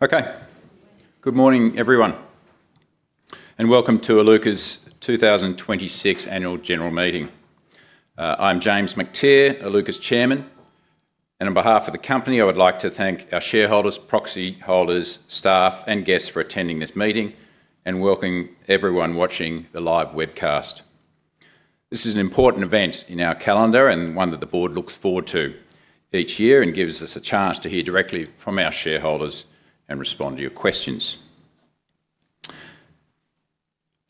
Okay. Good morning, everyone, and welcome to Iluka's 2026 Annual General Meeting. I'm James Mactier, Iluka's Chairman, and on behalf of the company, I would like to thank our shareholders, proxy holders, staff, and guests for attending this meeting, and welcome everyone watching the live webcast. This is an important event in our calendar, and one that the board looks forward to each year, and gives us a chance to hear directly from our shareholders and respond to your questions.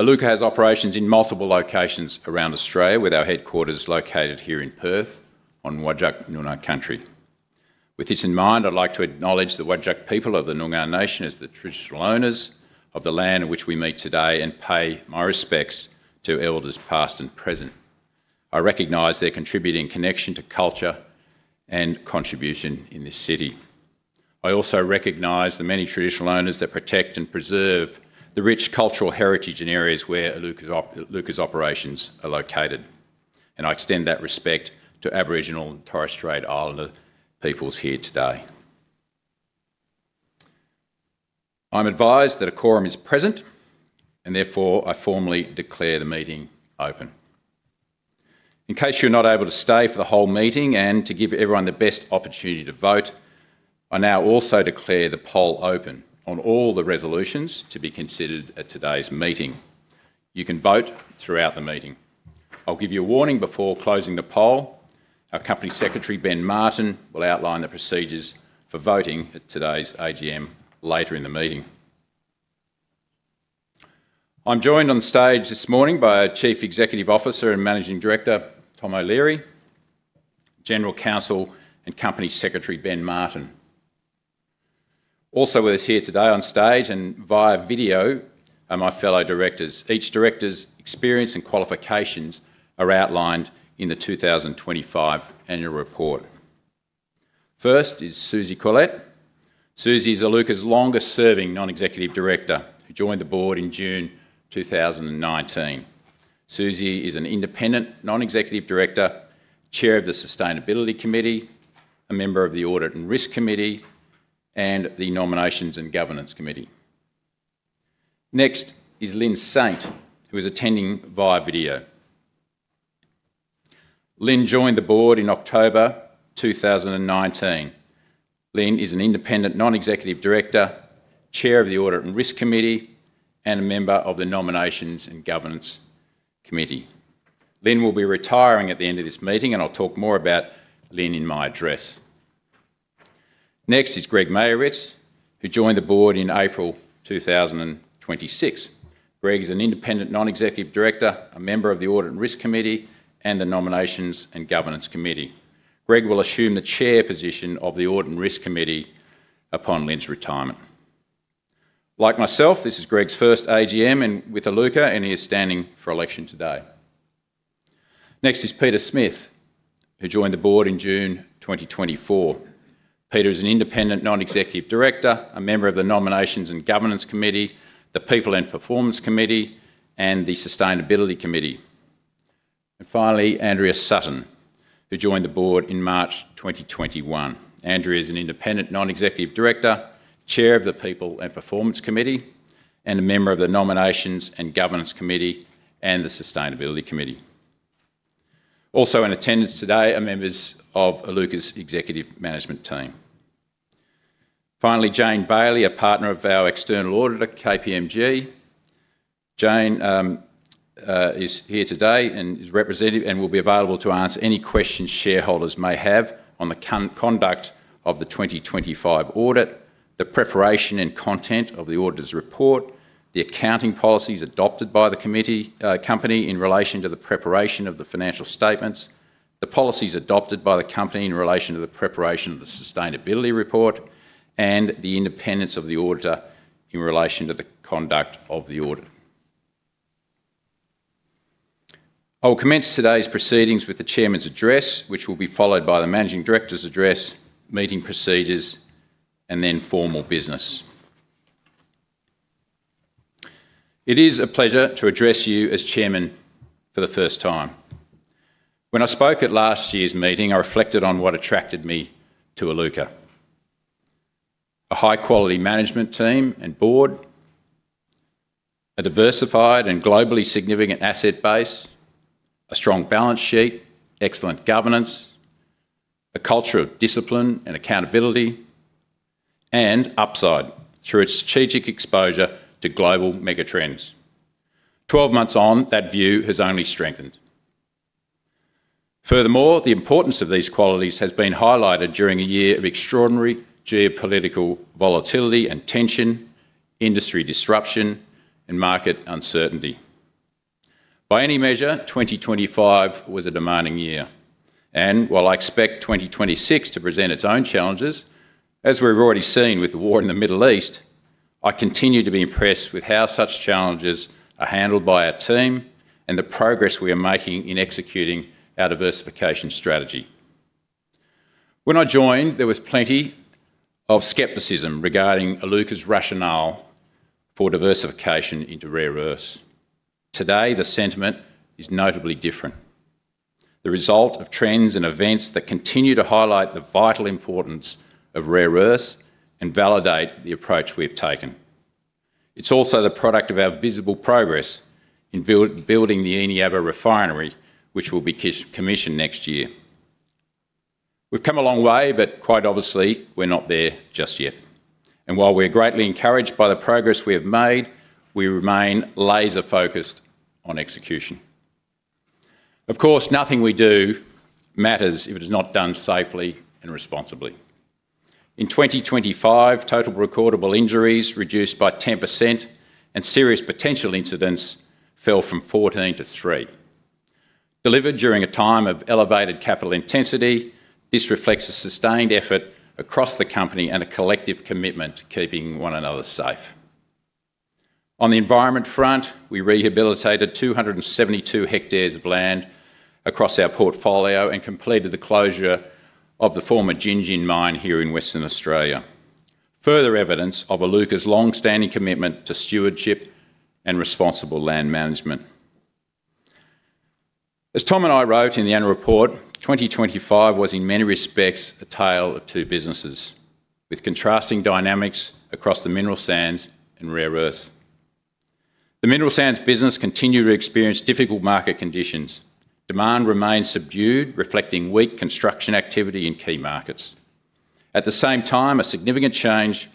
Iluka has operations in multiple locations around Australia, with our headquarters located here in Perth on Whadjuk Noongar country. With this in mind, I'd like to acknowledge the Whadjuk people of the Noongar nation as the traditional owners of the land on which we meet today, and pay my respects to elders past and present. I recognize their contributing connection to culture and contribution in this city. I also recognize the many traditional owners that protect and preserve the rich cultural heritage in areas where Iluka's operations are located, and I extend that respect to Aboriginal and Torres Strait Islander peoples here today. I'm advised that a quorum is present, therefore I formally declare the meeting open. In case you're not able to stay for the whole meeting, to give everyone the best opportunity to vote, I now also declare the poll open on all the resolutions to be considered at today's meeting. You can vote throughout the meeting. I'll give you a warning before closing the poll. Our Company Secretary, Ben Martin, will outline the procedures for voting at today's AGM later in the meeting. I'm joined on stage this morning by our Chief Executive Officer and Managing Director, Tom O'Leary, General Counsel and Company Secretary, Ben Martin. Also with us here today on stage and via video are my fellow directors. Each director's experience and qualifications are outlined in the 2025 annual report. First is Susie Corlett. Susie is Iluka's longest serving non-executive director who joined the board in June 2019. Susie is an independent non-executive director, Chair of the Sustainability Committee, a Member of the Audit and Risk Committee, and the Nominations and Governance Committee. Next is Lynne Saint, who is attending via video. Lynne joined the board in October 2019. Lynne is an independent non-executive director, Chair of the Audit and Risk Committee, and a Member of the Nominations and Governance Committee. Lynne will be retiring at the end of this meeting. I'll talk more about Lynne in my address. Next is Greg Meyerowitz, who joined the board in April 2026. Greg is an independent non-executive director, a member of the Audit and Risk Committee and the Nominations and Governance Committee. Greg will assume the chair position of the Audit and Risk Committee upon Lynne's retirement. Like myself, this is Greg's first AGM with Iluka and he is standing for election today. Next is Peter Smith, who joined the board in June 2024. Peter is an independent non-executive director, a member of the Nominations and Governance Committee, the People and Performance Committee, and the Sustainability Committee. Finally, Andrea Sutton, who joined the board in March 2021. Andrea is an independent non-executive director, chair of the People and Performance Committee, and a member of the Nominations and Governance Committee and the Sustainability Committee. Also in attendance today are members of Iluka's executive management team. Finally, Jane Bailey, a partner of our external auditor, KPMG. Jane is here today and is representative and will be available to answer any questions shareholders may have on the conduct of the 2025 audit, the preparation and content of the auditor's report, the accounting policies adopted by the company in relation to the preparation of the financial statements, the policies adopted by the company in relation to the preparation of the sustainability report, and the independence of the auditor in relation to the conduct of the audit. I will commence today's proceedings with the Chairman's address, which will be followed by the Managing Director's address, meeting procedures, and then formal business. It is a pleasure to address you as Chairman for the first time. When I spoke at last year's meeting, I reflected on what attracted me to Iluka. A high quality management team and board, a diversified and globally significant asset base, a strong balance sheet, excellent governance, a culture of discipline and accountability, and upside through its strategic exposure to global mega trends. 12 months on, that view has only strengthened. Furthermore, the importance of these qualities has been highlighted during a year of extraordinary geopolitical volatility and tension, industry disruption, and market uncertainty. By any measure, 2025 was a demanding year. While I expect 2026 to present its own challenges, as we've already seen with the war in the Middle East, I continue to be impressed with how such challenges are handled by our team and the progress we are making in executing our diversification strategy. When I joined, there was plenty of skepticism regarding Iluka's rationale for diversification into rare earths. Today, the sentiment is notably different. The result of trends and events that continue to highlight the vital importance of rare earths and validate the approach we have taken. It's also the product of our visible progress in building the Eneabba Refinery, which will be commissioned next year. We've come a long way, but quite obviously we're not there just yet, and while we're greatly encouraged by the progress we have made, we remain laser-focused on execution. Of course, nothing we do matters if it is not done safely and responsibly. In 2025, total recordable injuries reduced by 10% and serious potential incidents fell from 14 to 3. Delivered during a time of elevated capital intensity, this reflects a sustained effort across the company and a collective commitment to keeping one another safe. On the environment front, we rehabilitated 272 hectares of land across our portfolio and completed the closure of the former Gin Gin mine here in Western Australia. Further evidence of Iluka's long-standing commitment to stewardship and responsible land management. As Tom and I wrote in the annual report, 2025 was in many respects a tale of two businesses, with contrasting dynamics across the mineral sands and rare earths. The mineral sands business continued to experience difficult market conditions. Demand remains subdued, reflecting weak construction activity in key markets. At the same time, a significant change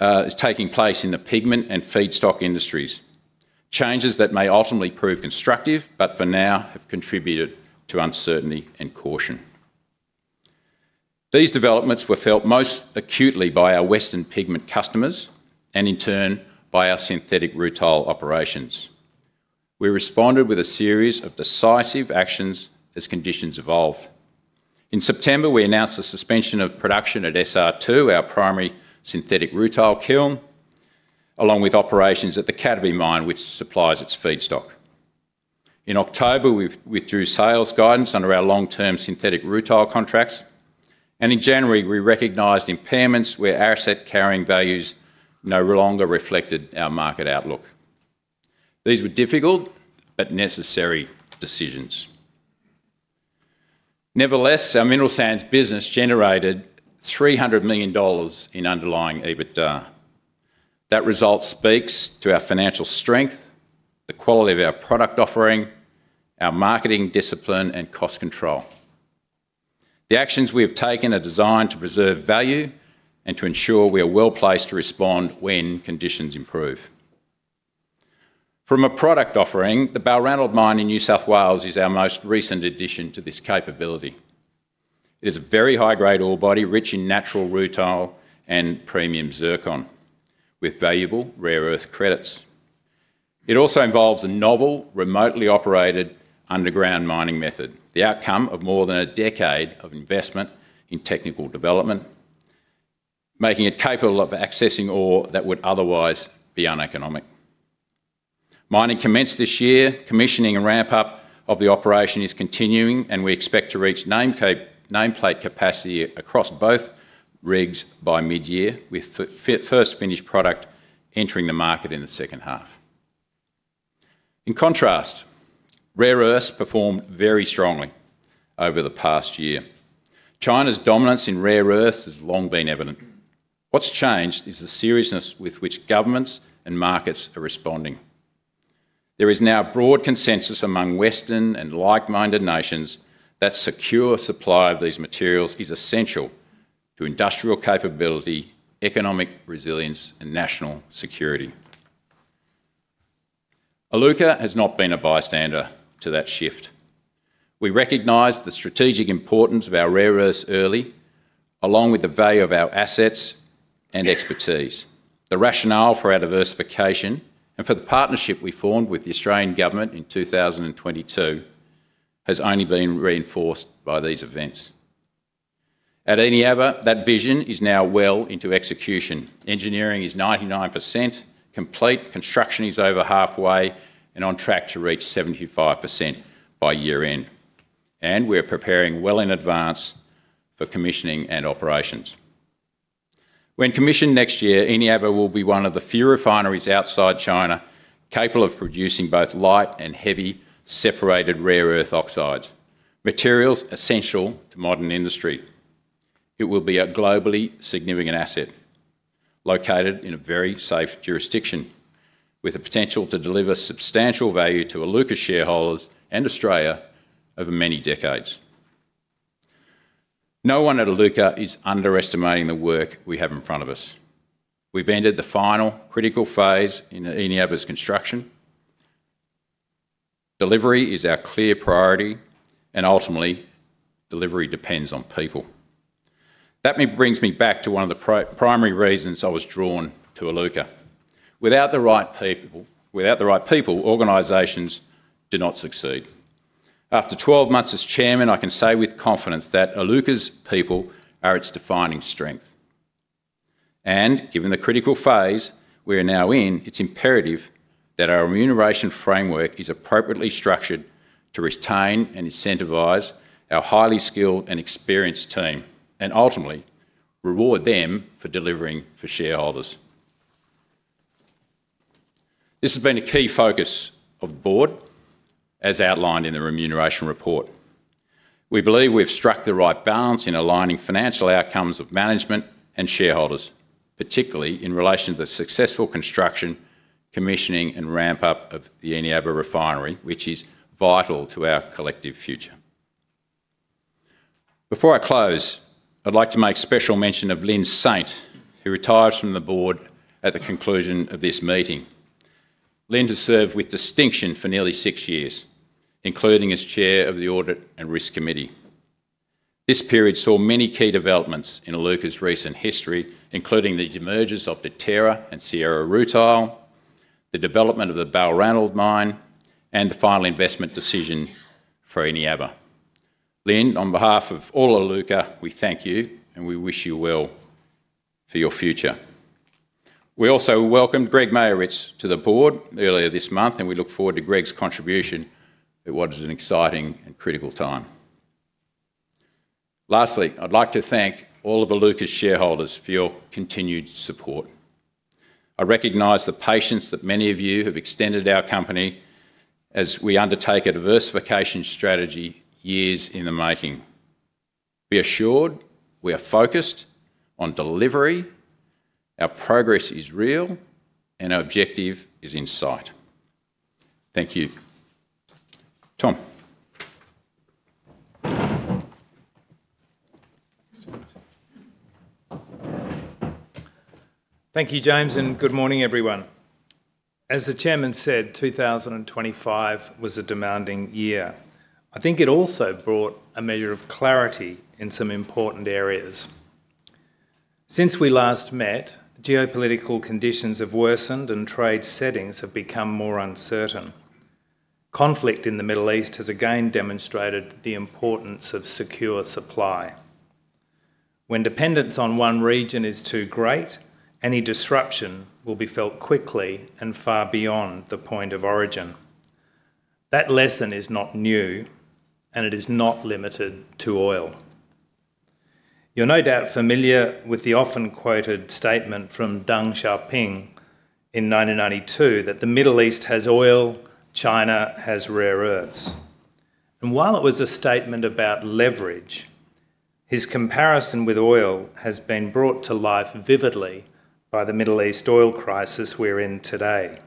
is taking place in the pigment and feedstock industries, changes that may ultimately prove constructive, but for now have contributed to uncertainty and caution. These developments were felt most acutely by our western pigment customers and in turn by our synthetic rutile operations. We responded with a series of decisive actions as conditions evolved. In September, we announced the suspension of production at SR2, our primary synthetic rutile kiln, along with operations at the Cataby mine which supplies its feedstock. In October, we withdrew sales guidance under our long-term synthetic rutile contracts. In January we recognized impairments where asset carrying values no longer reflected our market outlook. These were difficult but necessary decisions. Nevertheless, our mineral sands business generated 300 million dollars in underlying EBITDA. That result speaks to our financial strength, the quality of our product offering, our marketing discipline and cost control. The actions we have taken are designed to preserve value and to ensure we are well-placed to respond when conditions improve. From a product offering, the Balranald mine in New South Wales is our most recent addition to this capability. It is a very high-grade ore body rich in natural rutile and premium zircon with valuable rare earth credits. It also involves a novel remotely operated underground mining method, the outcome of more than a decade of investment in technical development, making it capable of accessing ore that would otherwise be uneconomic. Mining commenced this year. Commissioning and ramp-up of the operation is continuing, and we expect to reach nameplate capacity across both rigs by mid-year, with first finished product entering the market in the second half. In contrast, rare earths performed very strongly over the past year. China's dominance in rare earths has long been evident. What's changed is the seriousness with which governments and markets are responding. There is now broad consensus among Western and like-minded nations that secure supply of these materials is essential to industrial capability, economic resilience and national security. Iluka has not been a bystander to that shift. We recognized the strategic importance of our rare earths early, along with the value of our assets and expertise. The rationale for our diversification and for the partnership we formed with the Australian Government in 2022 has only been reinforced by these events. At Eneabba, that vision is now well into execution. Engineering is 99% complete. Construction is over halfway and on track to reach 75% by year-end. We are preparing well in advance for commissioning and operations. When commissioned next year, Eneabba will be one of the few refineries outside China capable of producing both light and heavy separated rare earth oxides, materials essential to modern industry. It will be a globally significant asset located in a very safe jurisdiction, with the potential to deliver substantial value to Iluka shareholders and Australia over many decades. No one at Iluka is underestimating the work we have in front of us. We've entered the final critical phase in Eneabba's construction. Delivery is our clear priority, and ultimately delivery depends on people. That brings me back to one of the primary reasons I was drawn to Iluka. Without the right people, organizations do not succeed. After 12 months as chairman, I can say with confidence that Iluka's people are its defining strength. Given the critical phase we are now in, it's imperative that our remuneration framework is appropriately structured to retain and incentivize our highly skilled and experienced team and ultimately reward them for delivering for shareholders. This has been a key focus of Board, as outlined in the remuneration report. We believe we've struck the right balance in aligning financial outcomes of management and shareholders, particularly in relation to the successful construction, commissioning, and ramp up of the Eneabba Refinery, which is vital to our collective future. Before I close, I'd like to make special mention of Lynne Saint, who retires from the Board at the conclusion of this meeting. Lynne has served with distinction for nearly 6 years, including as chair of the Audit and Risk Committee. This period saw many key developments in Iluka's recent history, including the demergers of Deterra and Sierra Rutile, the development of the Balranald mine, and the final investment decision for Eneabba. Lynn, on behalf of all Iluka, we thank you, and we wish you well for your future. We also welcomed Greg Meyerowitz to the board earlier this month. We look forward to Greg's contribution at what is an exciting and critical time. Lastly, I'd like to thank all of Iluka's shareholders for your continued support. I recognize the patience that many of you have extended our company as we undertake a diversification strategy years in the making. Be assured we are focused on delivery, our progress is real, and our objective is in sight. Thank you. Tom. Thank you, James. Good morning, everyone. As the Chairman said, 2025 was a demanding year. I think it also brought a measure of clarity in some important areas. Since we last met, geopolitical conditions have worsened and trade settings have become more uncertain. Conflict in the Middle East has again demonstrated the importance of secure supply. When dependence on one region is too great, any disruption will be felt quickly and far beyond the point of origin. That lesson is not new, and it is not limited to oil. You're no doubt familiar with the often-quoted statement from Deng Xiaoping in 1992 that the Middle East has oil, China has rare earths. While it was a statement about leverage, his comparison with oil has been brought to life vividly by the Middle East oil crisis we're in today.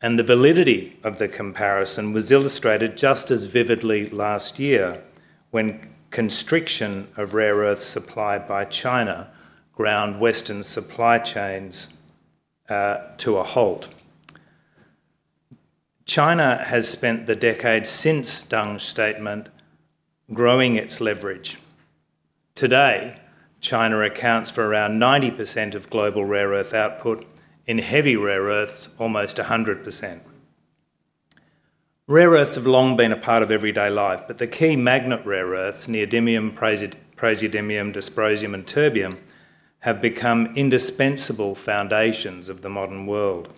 The validity of the comparison was illustrated just as vividly last year when constriction of rare earth supply by China ground Western supply chains to a halt. China has spent the decades since Deng's statement growing its leverage. Today, China accounts for around 90% of global rare earth output. In heavy rare earths, almost 100%. Rare earths have long been a part of everyday life, but the key magnet rare earths, neodymium, praseodymium, dysprosium, and terbium, have become indispensable foundations of the modern world.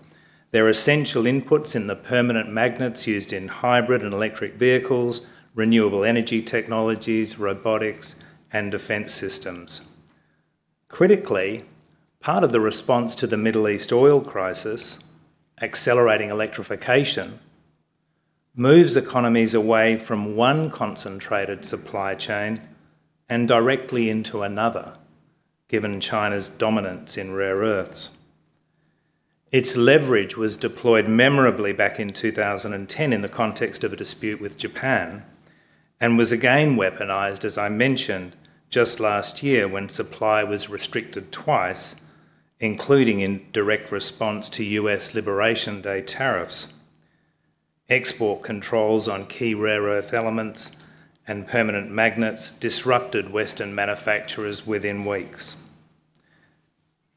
They're essential inputs in the permanent magnets used in hybrid and electric vehicles, renewable energy technologies, robotics, and defense systems. Critically, part of the response to the Middle East oil crisis, accelerating electrification, moves economies away from one concentrated supply chain and directly into another, given China's dominance in rare earths. Its leverage was deployed memorably back in 2010 in the context of a dispute with Japan and was again weaponized, as I mentioned, just last year when supply was restricted twice, including in direct response to U.S. Liberation Day tariffs. Export controls on key rare earth elements and permanent magnets disrupted Western manufacturers within weeks.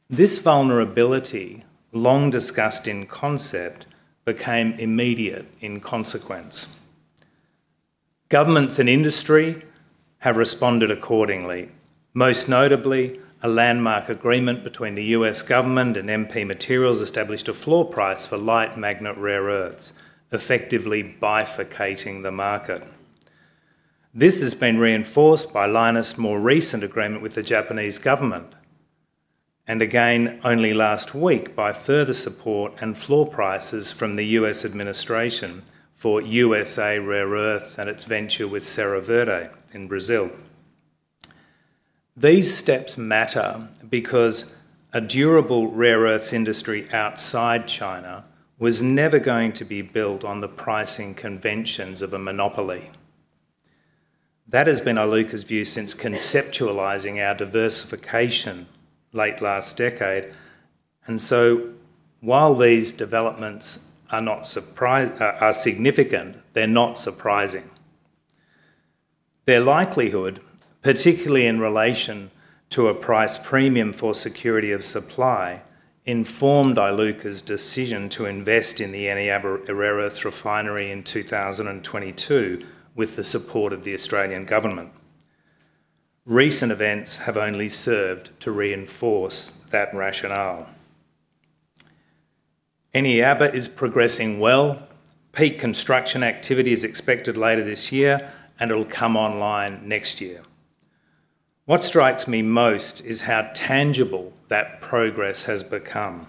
This vulnerability, long discussed in concept, became immediate in consequence. Governments and industry have responded accordingly. Most notably, a landmark agreement between the U.S. government and MP Materials established a floor price for light magnet rare earths, effectively bifurcating the market. This has been reinforced by Lynas' more recent agreement with the Japanese government, and again, only last week, by further support and floor prices from the U.S. administration for USA Rare Earth and its venture with Serra Verde in Brazil. These steps matter because a durable rare earths industry outside China was never going to be built on the pricing conventions of a monopoly. That has been Iluka's view since conceptualizing our diversification late last decade. While these developments are significant, they're not surprising. Their likelihood, particularly in relation to a price premium for security of supply, informed Iluka's decision to invest in the Eneabba rare earths refinery in 2022 with the support of the Australian government. Recent events have only served to reinforce that rationale. Eneabba is progressing well. Peak construction activity is expected later this year, and it'll come online next year. What strikes me most is how tangible that progress has become.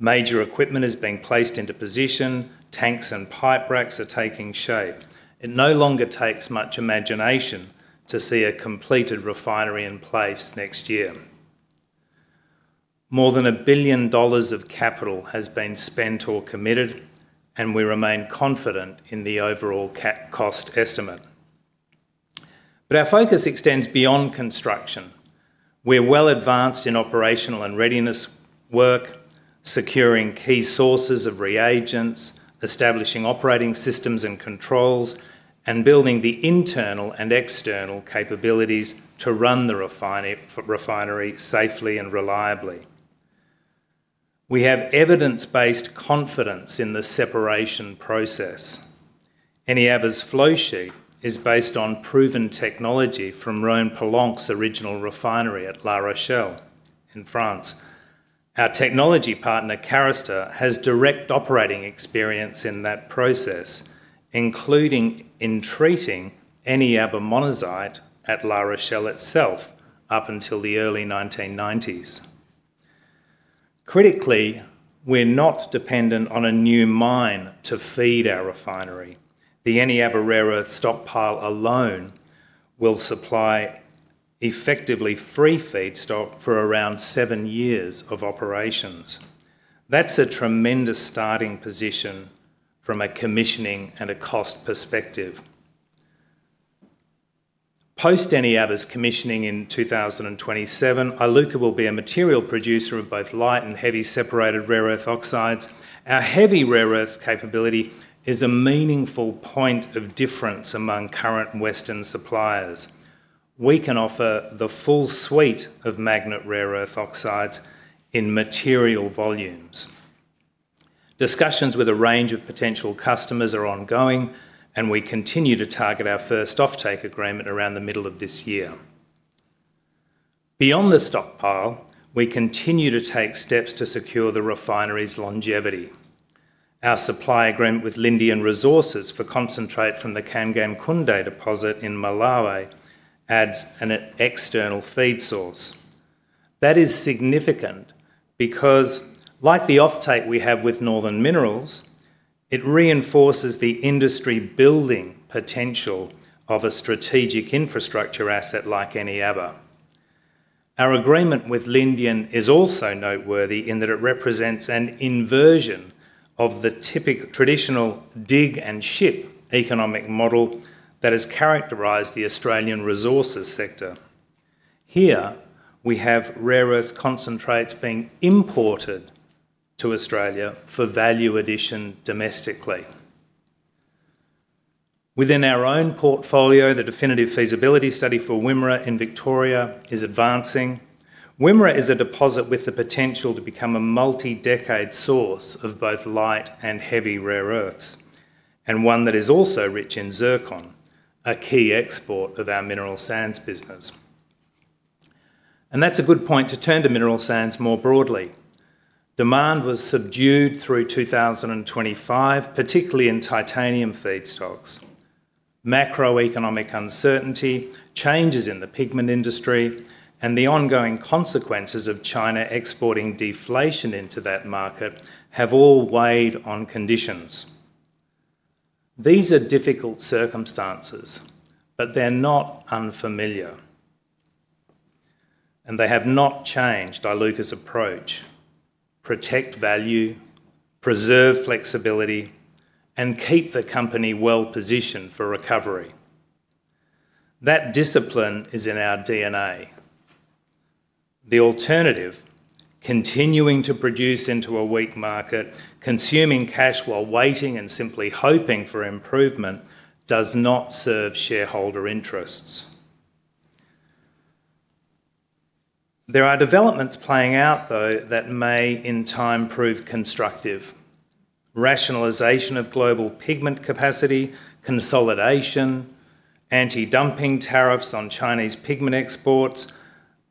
Major equipment is being placed into position, tanks and pipe racks are taking shape. It no longer takes much imagination to see a completed refinery in place next year. More than 1 billion dollars of capital has been spent or committed, and we remain confident in the overall cost estimate. Our focus extends beyond construction. We're well advanced in operational and readiness work, securing key sources of reagents, establishing operating systems and controls, and building the internal and external capabilities to run the refinery safely and reliably. We have evidence-based confidence in the separation process. Eneabba's flow sheet is based on proven technology from Rhône-Poulenc's original refinery at La Rochelle in France. Our technology partner, Carester, has direct operating experience in that process, including in treating Eneabba monazite at La Rochelle itself up until the early 1990s. Critically, we're not dependent on a new mine to feed our refinery. The Eneabba rare earth stockpile alone will supply effectively free feedstock for around seven years of operations. That's a tremendous starting position from a commissioning and a cost perspective. Post Eneabba's commissioning in 2027, Iluka will be a material producer of both light and heavy separated rare earth oxides. Our heavy rare earths capability is a meaningful point of difference among current Western suppliers. We can offer the full suite of magnet rare earth oxides in material volumes. Discussions with a range of potential customers are ongoing. We continue to target our first offtake agreement around the middle of this year. Beyond the stockpile, we continue to take steps to secure the refinery's longevity. Our supply agreement with Lindian Resources for concentrate from the Kangankunde deposit in Malawi adds an external feed source. That is significant because, like the offtake we have with Northern Minerals, it reinforces the industry-building potential of a strategic infrastructure asset like Eneabba. Our agreement with Lindian is also noteworthy in that it represents an inversion of the traditional dig-and-ship economic model that has characterized the Australian resources sector. Here, we have rare earth concentrates being imported to Australia for value addition domestically. Within our own portfolio, the definitive feasibility study for Wimmera in Victoria is advancing. Wimmera is a deposit with the potential to become a multi-decade source of both light and heavy rare earths, and one that is also rich in zircon, a key export of our mineral sands business. That's a good point to turn to mineral sands more broadly. Demand was subdued through 2025, particularly in titanium feedstocks. Macroeconomic uncertainty, changes in the pigment industry, and the ongoing consequences of China exporting deflation into that market have all weighed on conditions. These are difficult circumstances, but they're not unfamiliar, and they have not changed Iluka's approach. Protect value, preserve flexibility, and keep the company well-positioned for recovery. That discipline is in our DNA. The alternative, continuing to produce into a weak market, consuming cash while waiting and simply hoping for improvement, does not serve shareholder interests. There are developments playing out, though, that may in time prove constructive. Rationalization of global pigment capacity, consolidation, anti-dumping tariffs on Chinese pigment exports,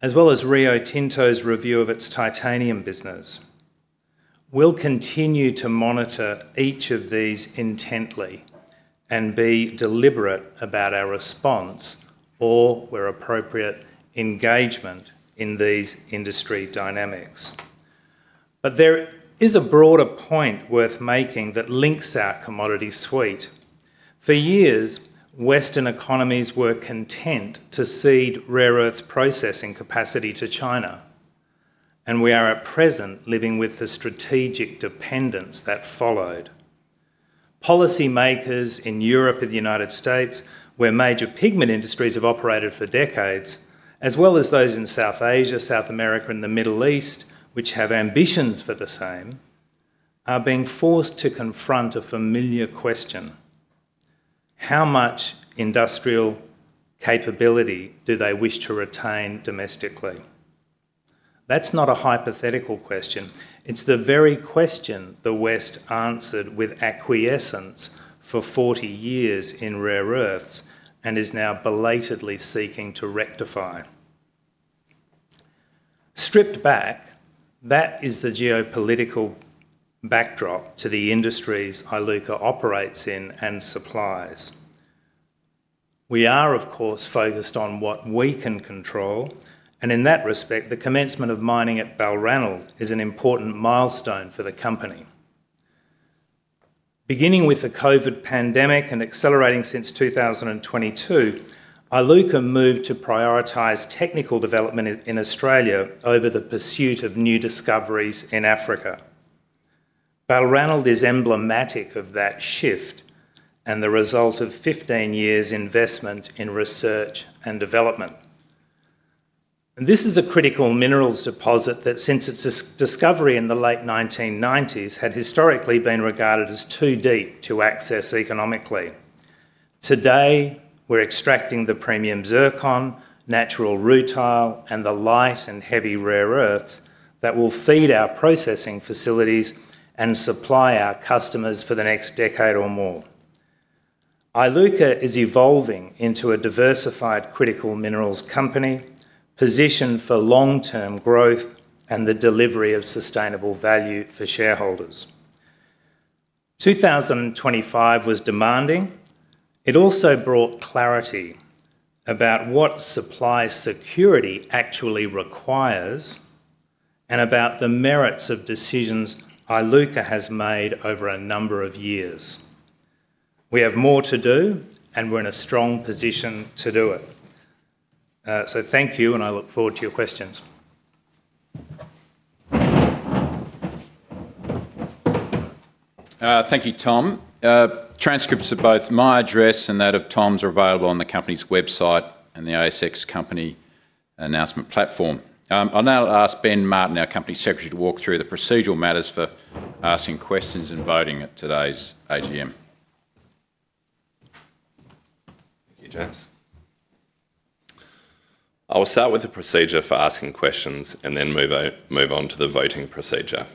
as well as Rio Tinto's review of its titanium business. We'll continue to monitor each of these intently and be deliberate about our response or, where appropriate, engagement in these industry dynamics. There is a broader point worth making that links our commodity suite. For years, Western economies were content to cede rare earths processing capacity to China, and we are at present living with the strategic dependence that followed. Policy makers in Europe and the United States, where major pigment industries have operated for decades, as well as those in South Asia, South America, and the Middle East, which have ambitions for the same, are being forced to confront a familiar question. How much industrial capability do they wish to retain domestically? That's not a hypothetical question. It's the very question the West answered with acquiescence for 40 years in rare earths and is now belatedly seeking to rectify. Stripped back, that is the geopolitical backdrop to the industries Iluka operates in and supplies. We are of course focused on what we can control, and in that respect, the commencement of mining at Balranald is an important milestone for the company. Beginning with the COVID pandemic and accelerating since 2022, Iluka moved to prioritize technical development in Australia over the pursuit of new discoveries in Africa. Balranald is emblematic of that shift and the result of 15 years' investment in research and development. This is a critical minerals deposit that since its discovery in the late 1990s had historically been regarded as too deep to access economically. Today, we're extracting the premium zircon, natural rutile, and the light and heavy rare earths that will feed our processing facilities and supply our customers for the next decade or more. Iluka is evolving into a diversified critical minerals company positioned for long-term growth and the delivery of sustainable value for shareholders. 2025 was demanding. It also brought clarity about what supply security actually requires and about the merits of decisions Iluka has made over a number of years. We have more to do, and we're in a strong position to do it. Thank you, and I look forward to your questions. Thank you, Tom. Transcripts of both my address and that of Tom's are available on the company's website and the ASX company announcement platform. I'll now ask Ben Martin, our Company Secretary, to walk through the procedural matters for asking questions and voting at today's AGM. Thank you, James. I will start with the procedure for asking questions and then move on to the voting procedure.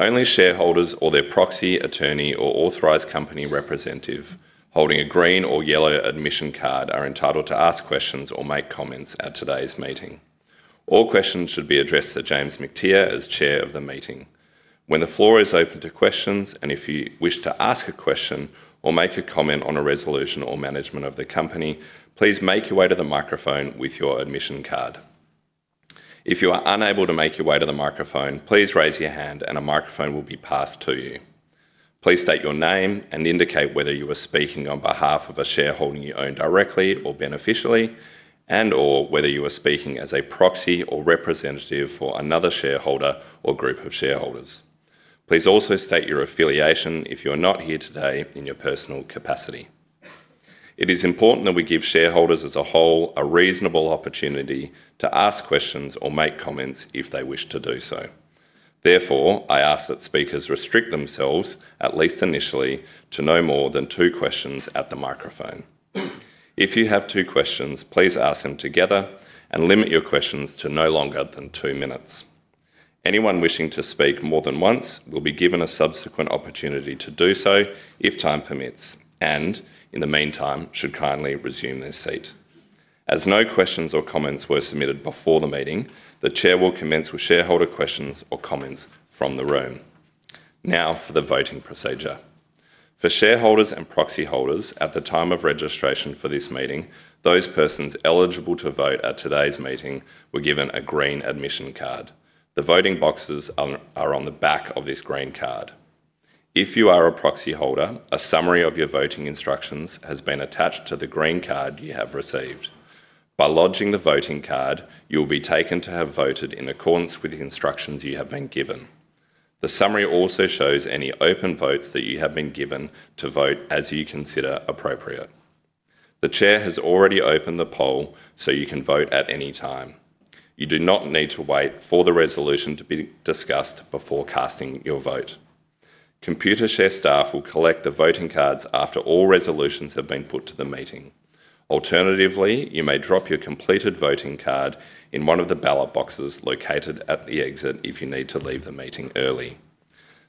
Only shareholders or their proxy, attorney, or authorized company representative holding a green or yellow admission card are entitled to ask questions or make comments at today's meeting. All questions should be addressed to James Mactier as chair of the meeting. When the floor is open to questions if you wish to ask a question or make a comment on a resolution or management of the company, please make your way to the microphone with your admission card. If you are unable to make your way to the microphone, please raise your hand and a microphone will be passed to you. Please state your name and indicate whether you are speaking on behalf of a shareholding you own directly or beneficially and/or whether you are speaking as a proxy or representative for another shareholder or group of shareholders. Please also state your affiliation if you are not here today in your personal capacity. It is important that we give shareholders as a whole a reasonable opportunity to ask questions or make comments if they wish to do so. Therefore, I ask that speakers restrict themselves, at least initially, to no more than two questions at the microphone. If you have two questions, please ask them together and limit your questions to no longer than two minutes. Anyone wishing to speak more than once will be given a subsequent opportunity to do so if time permits and in the meantime should kindly resume their seat. As no questions or comments were submitted before the meeting, the chair will commence with shareholder questions or comments from the room. Now for the voting procedure. For shareholders and proxy holders at the time of registration for this meeting, those persons eligible to vote at today's meeting were given a green admission card. The voting boxes are on the back of this green card. If you are a proxy holder, a summary of your voting instructions has been attached to the green card you have received. By lodging the voting card, you'll be taken to have voted in accordance with the instructions you have been given. The summary also shows any open votes that you have been given to vote as you consider appropriate. The chair has already opened the poll. You can vote at any time. You do not need to wait for the resolution to be discussed before casting your vote. Computershare staff will collect the voting cards after all resolutions have been put to the meeting. Alternatively, you may drop your completed voting card in one of the ballot boxes located at the exit if you need to leave the meeting early.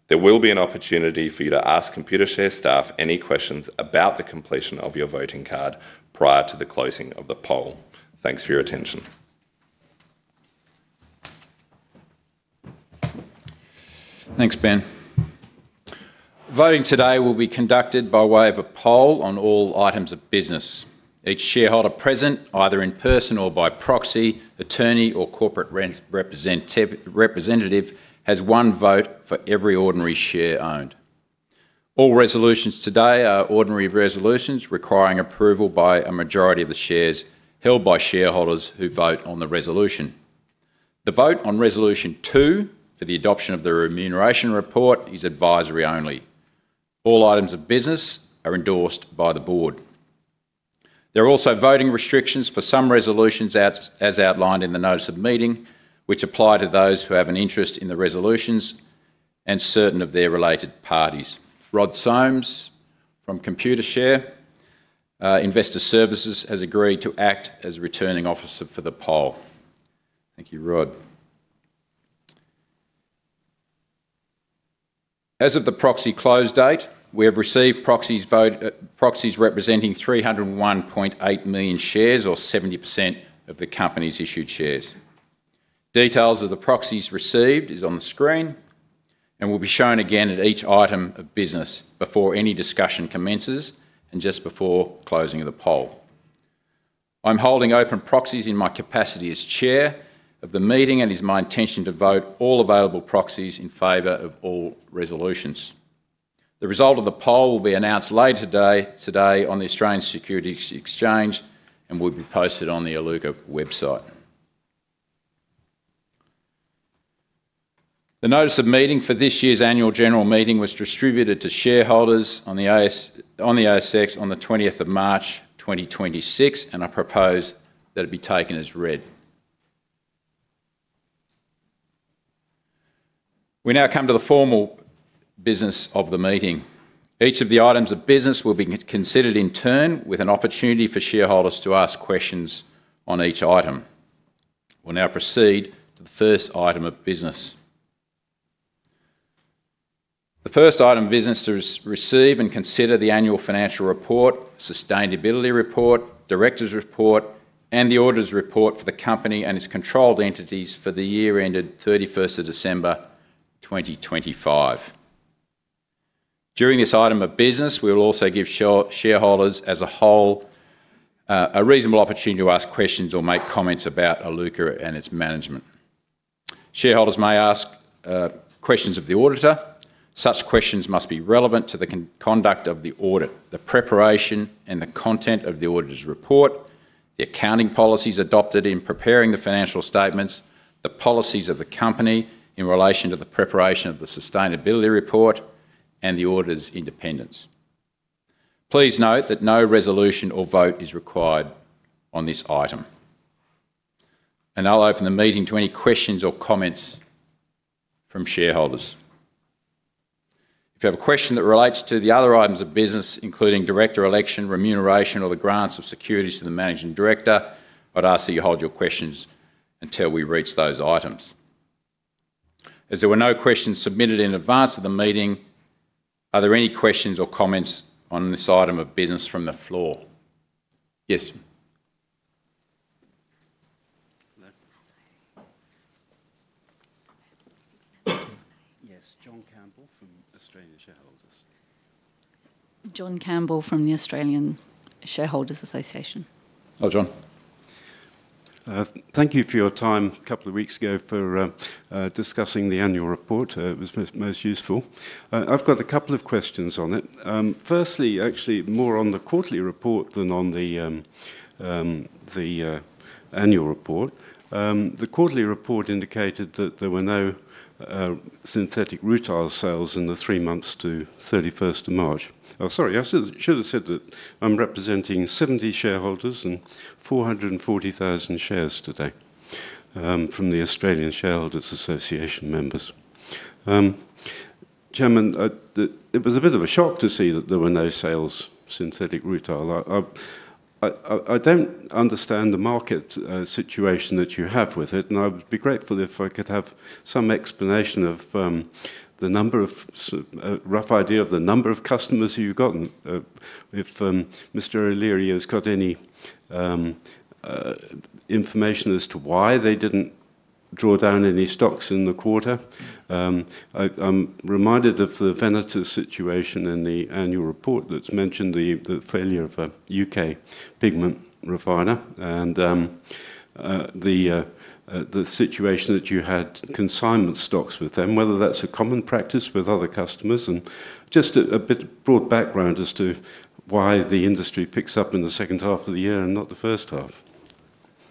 There will be an opportunity for you to ask Computershare staff any questions about the completion of your voting card prior to the closing of the poll. Thanks for your attention. Thanks, Ben. Voting today will be conducted by way of a poll on all items of business. Each shareholder present, either in person or by proxy, attorney, or corporate representative, has 1 vote for every ordinary share owned. All resolutions today are ordinary resolutions requiring approval by a majority of the shares held by shareholders who vote on the resolution. The vote on resolution 2 for the adoption of the remuneration report is advisory only. All items of business are endorsed by the board. There are also voting restrictions for some resolutions out, as outlined in the notice of meeting, which apply to those who have an interest in the resolutions and certain of their related parties. Rod Soames from Computershare Investor Services has agreed to act as Returning Officer for the poll. Thank you, Rod. As of the proxy close date, we have received proxies representing 301.8 million shares or 70% of the company's issued shares. Details of the proxies received is on the screen and will be shown again at each item of business before any discussion commences and just before closing of the poll. I'm holding open proxies in my capacity as chair of the meeting, and it's my intention to vote all available proxies in favor of all resolutions. The result of the poll will be announced later day, today on the Australian Securities Exchange and will be posted on the Iluka website. The notice of meeting for this year's annual general meeting was distributed to shareholders on the ASX on the 20th of March 2026, and I propose that it be taken as read. We now come to the formal business of the meeting. Each of the items of business will be considered in turn with an opportunity for shareholders to ask questions on each item. We'll now proceed to the first item of business. The first item of business is receive and consider the annual financial report, sustainability report, director's report, and the auditor's report for the company and its controlled entities for the year ended 31st of December 2025. During this item of business, we will also give shareholders as a whole, a reasonable opportunity to ask questions or make comments about Iluka and its management. Shareholders may ask questions of the auditor. Such questions must be relevant to the conduct of the audit, the preparation and the content of the auditor's report, the accounting policies adopted in preparing the financial statements, the policies of the company in relation to the preparation of the sustainability report and the auditor's independence. Please note that no resolution or vote is required on this item. I'll open the meeting to any questions or comments from shareholders. If you have a question that relates to the other items of business, including director election, remuneration, or the grants of securities to the managing director, I'd ask that you hold your questions until we reach those items. As there were no questions submitted in advance of the meeting, are there any questions or comments on this item of business from the floor? Yes. Hello. Hi. Yes, John Campbell from Australian Shareholders. John Campbell from the Australian Shareholders Association. Hello, John. Thank you for your time a couple of weeks ago for discussing the annual report. It was most useful. I've got a couple of questions on it. Firstly, actually more on the quarterly report than on the annual report. The quarterly report indicated that there were no synthetic rutile sales in the 3 months to 31st of March. Sorry. I should have said that I'm representing 70 shareholders and 440,000 shares today from the Australian Shareholders Association members. Chairman, it was a bit of a shock to see that there were no sales synthetic rutile. I don't understand the market situation that you have with it, and I would be grateful if I could have some explanation of a rough idea of the number of customers you've gotten. If Mr. O'Leary has got any information as to why they didn't draw down any stocks in the quarter. I'm reminded of the Venator situation in the annual report that's mentioned the failure of a UK pigment refiner and the situation that you had consignment stocks with them, whether that's a common practice with other customers and just a bit broad background as to why the industry picks up in the second half of the year and not the first half.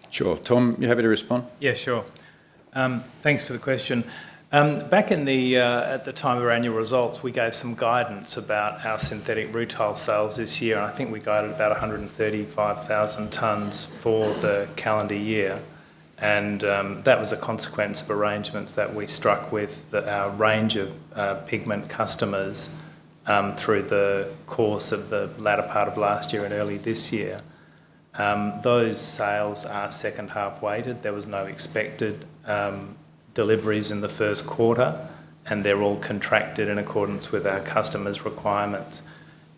Sure. Tom, you happy to respond? Yeah, sure. Thanks for the question. Back in the at the time of our annual results, we gave some guidance about our synthetic rutile sales this year, and I think we guided about 135,000 tons for the calendar year. That was a consequence of arrangements that we struck with our range of pigment customers through the course of the latter part of last year and early this year. Those sales are second half weighted. There was no expected deliveries in the first quarter, and they're all contracted in accordance with our customers' requirements.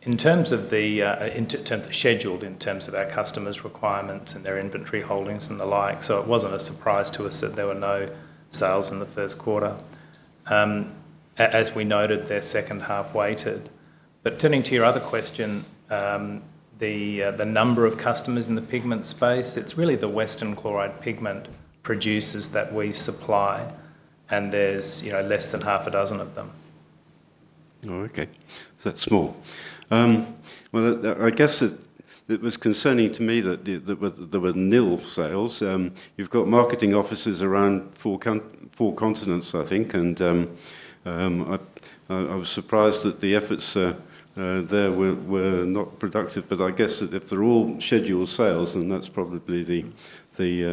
In terms of the in terms of scheduled, in terms of our customers' requirements and their inventory holdings and the like, so it wasn't a surprise to us that there were no sales in the first quarter. As we noted, they're second half weighted. Turning to your other question, the number of customers in the pigment space, it's really the western chloride pigment producers that we supply, and there's, you know, less than half a dozen of them. Oh, okay. That's small. Well, I guess it was concerning to me that there were nil sales. You've got marketing offices around 4 continents, I think. I was surprised that the efforts there were not productive. I guess if they're all scheduled sales, then that's probably the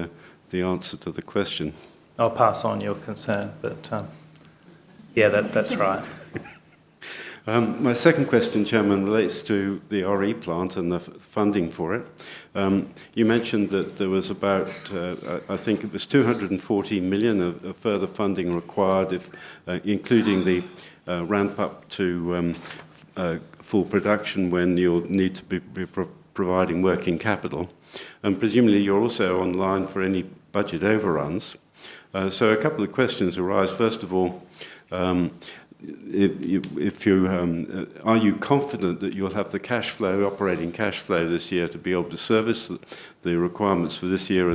answer to the question. I'll pass on your concern. Yeah, that's right. My second question, Chairman, relates to the RE plant and the funding for it. You mentioned that there was about I think it was 240 million of further funding required if including the ramp up to full production when you'll need to be providing working capital. Presumably you're also on the line for any budget overruns. A couple of questions arise. First of all, if you are you confident that you'll have the cash flow, operating cash flow this year to be able to service the requirements for this year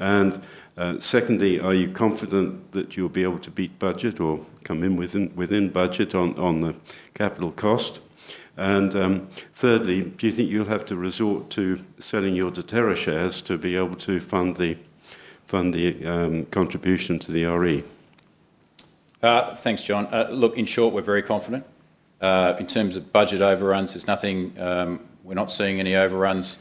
and 2027? Secondly, are you confident that you'll be able to beat budget or come in within budget on the capital cost? thirdly, do you think you'll have to resort to selling your Deterra shares to be able to fund the contribution to the RE? Thanks, John. Look, in short, we're very confident. In terms of budget overruns, there's nothing, we're not seeing any overruns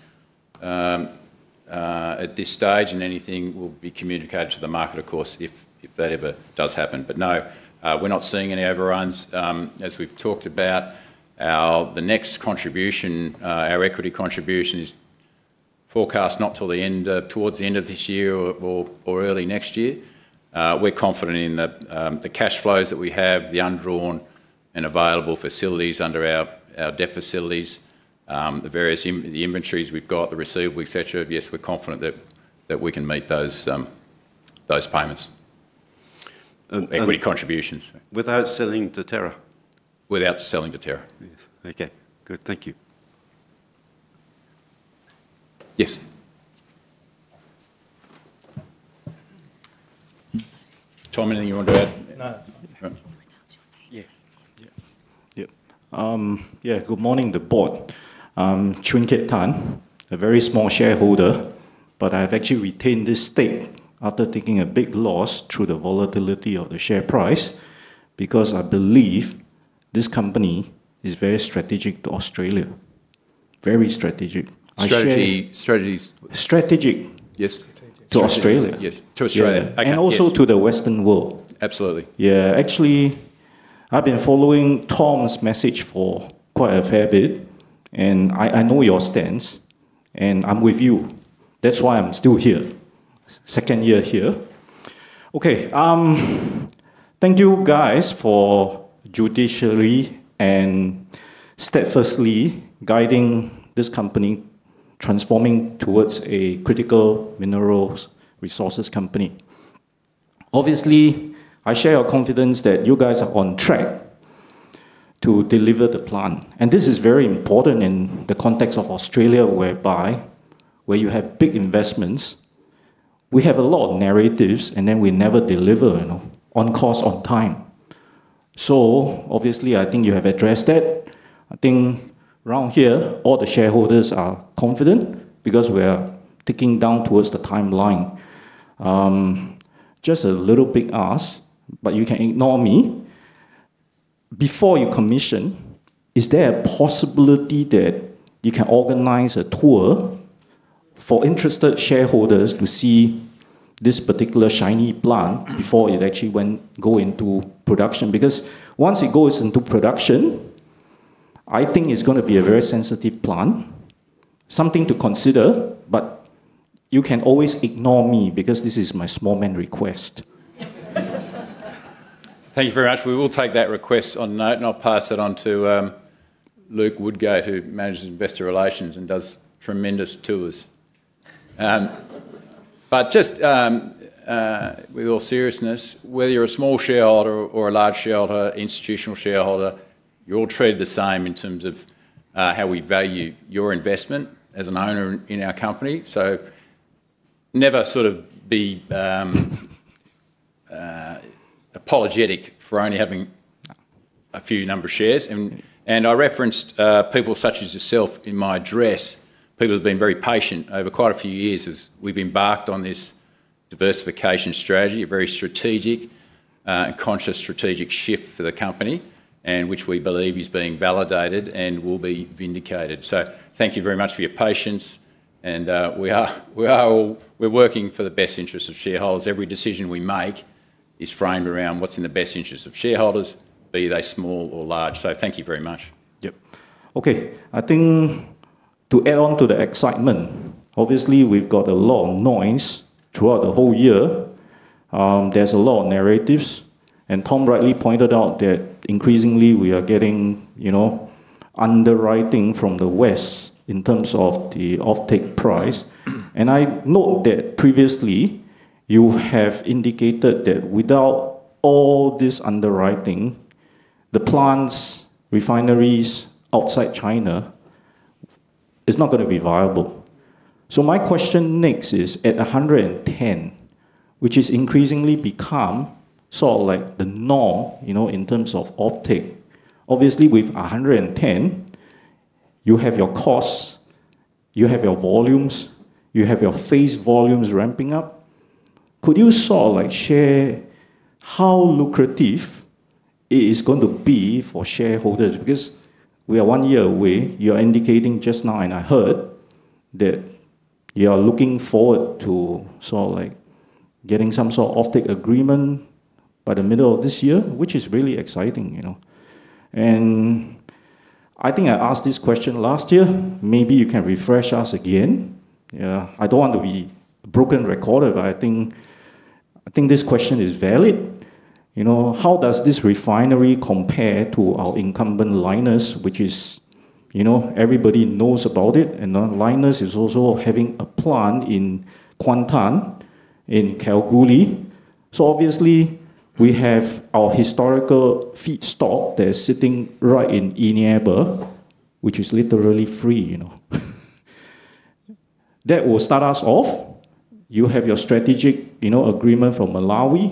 at this stage, and anything will be communicated to the market, of course, if that ever does happen. No, we're not seeing any overruns. As we've talked about, our, the next contribution, our equity contribution is forecast not till the end, towards the end of this year or early next year. We're confident in that, the cash flows that we have, the undrawn and available facilities under our debt facilities, the various inventories we've got, the receivable, et cetera. Yes, we're confident that we can meet those payments. And, and- Equity contributions without selling Deterra? Without selling Deterra. Yes. Okay. Good. Thank you. Yes. Tom, anything you want to add? No, that's fine. Okay. Yeah. Yeah. Yeah. Good morning, the board. I'm Chun Kit Tan, a very small shareholder, but I've actually retained this stake after taking a big loss through the volatility of the share price because I believe this company is very strategic to Australia. Very strategic. Strategies. Strategic. Yes. To Australia. Yes. To Australia. Yeah. Okay. Yes. Also to the Western world. Absolutely. Yeah. Actually, I've been following Tom's message for quite a fair bit. I know your stance, and I'm with you. That's why I'm still here. Second year here. Okay. Thank you guys for judicially and steadfastly guiding this company, transforming towards a critical minerals resources company. Obviously, I share your confidence that you guys are on track to deliver the plan. This is very important in the context of Australia whereby where you have big investments, we have a lot of narratives, then we never deliver, you know, on course, on time. Obviously, I think you have addressed that. I think around here, all the shareholders are confident because we are ticking down towards the timeline. Just a little big ask, you can ignore me. Before you commission, is there a possibility that you can organize a tour for interested shareholders to see this particular shiny plant before it actually go into production? Because once it goes into production, I think it's going to be a very sensitive plant. Something to consider, but you can always ignore me because this is my small man request. Thank you very much. We will take that request on note, and I'll pass it on to Luke Woodgate, who manages investor relations and does tremendous tours. Just with all seriousness, whether you're a small shareholder or a large shareholder, institutional shareholder, you're all treated the same in terms of how we value your investment as an owner in our company. Never sort of be apologetic for only having a few number of shares. I referenced people such as yourself in my address. People who've been very patient over quite a few years as we've embarked on this diversification strategy, a very strategic and conscious strategic shift for the company, and which we believe is being validated and will be vindicated. Thank you very much for your patience, and we are all working for the best interest of shareholders. Every decision we make is framed around what's in the best interest of shareholders, be they small or large. Thank you very much. Yep. Okay. I think to add on to the excitement, obviously we've got a lot of noise throughout the whole year. There's a lot of narratives. Tom rightly pointed out that increasingly we are getting, you know, underwriting from the West in terms of the offtake price. I note that previously you have indicated that without all this underwriting, the plants, refineries outside China is not going to be viable. My question next is at 110, which is increasingly become sort of like the norm, you know, in terms of offtake. Obviously with 110, you have your costs, you have your volumes, you have your phase volumes ramping up. Could you sort of like share how lucrative it is going to be for shareholders? Because we are 1 year away. You're indicating just now, and I heard that you are looking forward to sort of like getting some sort of offtake agreement by the middle of this year, which is really exciting, you know. I think I asked this question last year, maybe you can refresh us again. I don't want to be a broken record, I think this question is valid. You know, how does this refinery compare to our incumbent Lynas, which is, you know, everybody knows about it. Lynas is also having a plant in Kuantan, in Kalgoorlie. Obviously, we have our historical feedstock that is sitting right in Eneabba, which is literally free, you know. That will start us off. You have your strategic, you know, agreement from Malawi.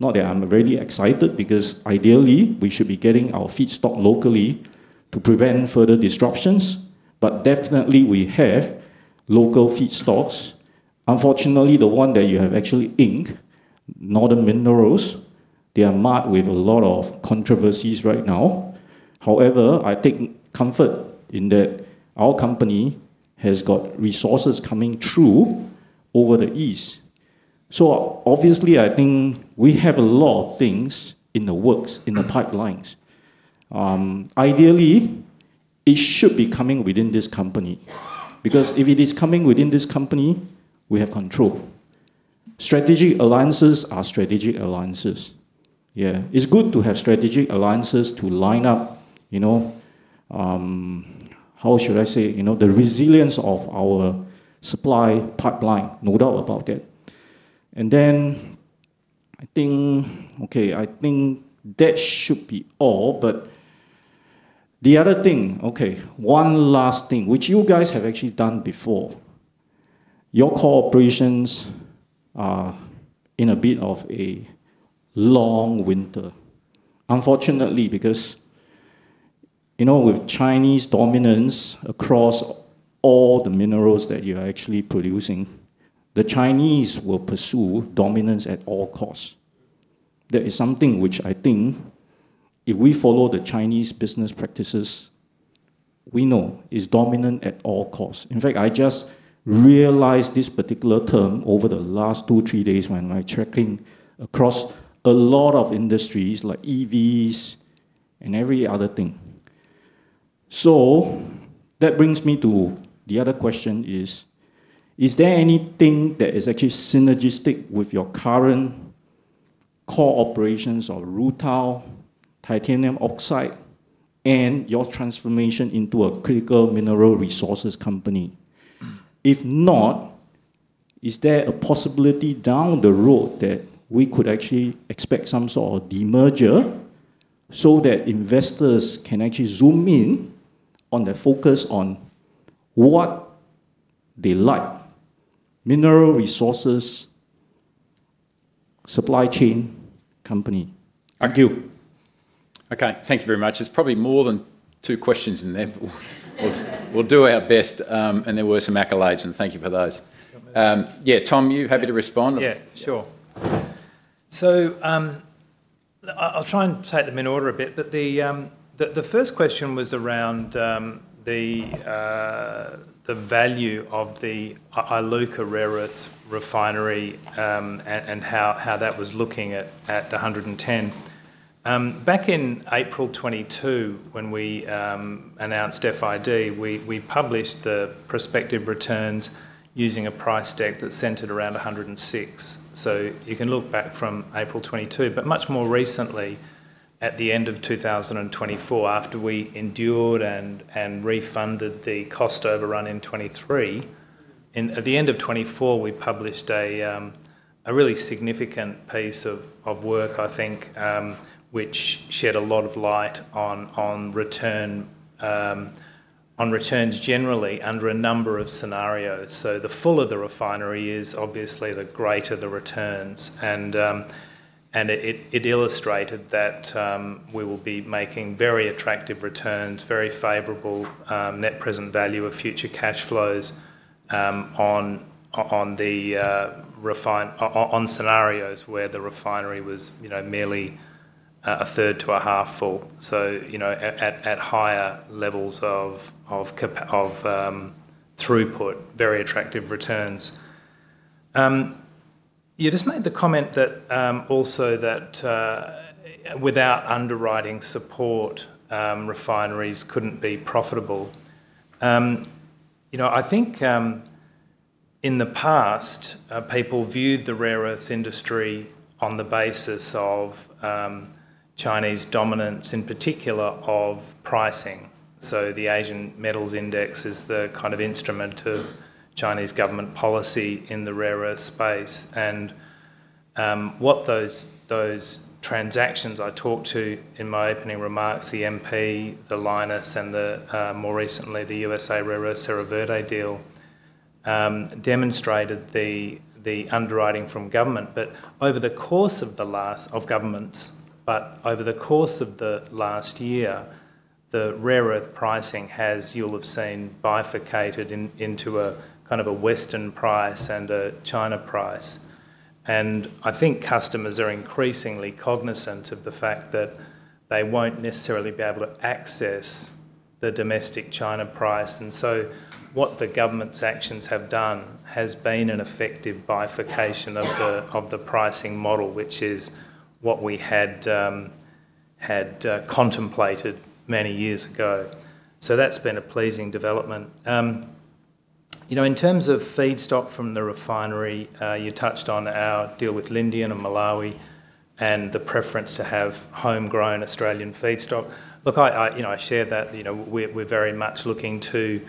Not that I'm very excited because ideally we should be getting our feedstock locally to prevent further disruptions. Definitely we have local feedstocks. Unfortunately, the one that you have actually inked, Northern Minerals, they are marked with a lot of controversies right now. However, I take comfort in that our company has got resources coming through over the east. Obviously, I think we have a lot of things in the works, in the pipelines. Ideally, it should be coming within this company. Because if it is coming within this company, we have control. Strategic alliances are strategic alliances. Yeah, it's good to have strategic alliances to line up, you know, how should I say, you know, the resilience of our supply pipeline. No doubt about that. I think, okay, I think that should be all. The other thing, okay, one last thing, which you guys have actually done before. Your core operations are in a bit of a long winter. Unfortunately, because, you know, with Chinese dominance across all the minerals that you are actually producing, the Chinese will pursue dominance at all costs. That is something which I think if we follow the Chinese business practices, we know is dominant at all costs. In fact, I just realized this particular term over the last two, three days when I tracking across a lot of industries like EVs and every other thing. That brings me to the other question is there anything that is actually synergistic with your current core operations of rutile, titanium dioxide, and your transformation into a critical mineral resources company? If not, is there a possibility down the road that we could actually expect some sort of demerger so that investors can actually zoom in on the focus on what they like? Mineral resources, supply chain company. Thank you. Okay. Thank you very much. There's probably more than 2 questions in there, but we'll do our best. There were some accolades, and thank you for those. Tom, you happy to respond? Yeah, sure. I'll try and take them in order a bit, but the first question was around the value of the Iluka rare earths refinery and how that was looking at 110. Back in April 2022, when we announced FID, we published the prospective returns using a price deck that centered around 106. You can look back from April 2022. Much more recently, at the end of 2024, after we endured and refunded the cost overrun in 2023, at the end of 2024, we published a really significant piece of work, I think, which shed a lot of light on return on returns generally under a number of scenarios. The fuller the refinery is, obviously the greater the returns. It illustrated that we will be making very attractive returns, very favorable net present value of future cash flows, on scenarios where the refinery was, you know, merely a third to a half full. You know, at higher levels of throughput, very attractive returns. You just made the comment that also that without underwriting support, refineries couldn't be profitable. You know, I think in the past, people viewed the rare earths industry on the basis of Chinese dominance, in particular of pricing. The Asian Metal Index is the kind of instrument of Chinese government policy in the rare earth space. What those transactions I talked to in my opening remarks, the MP, the Lynas, and the more recently, the USA Rare Earth Serra Verde deal, demonstrated the underwriting from government. Over the course of governments, but over the course of the last year, the rare earth pricing has, you'll have seen, bifurcated into a kind of a Western price and a China price. I think customers are increasingly cognizant of the fact that they won't necessarily be able to access the domestic China price. What the government's actions have done has been an effective bifurcation of the pricing model, which is what we had contemplated many years ago. That's been a pleasing development. You know, in terms of feedstock from the refinery, you touched on our deal with Lindian and Malawi and the preference to have homegrown Australian feedstock. Look, I, you know, I share that. You know, we're very much looking to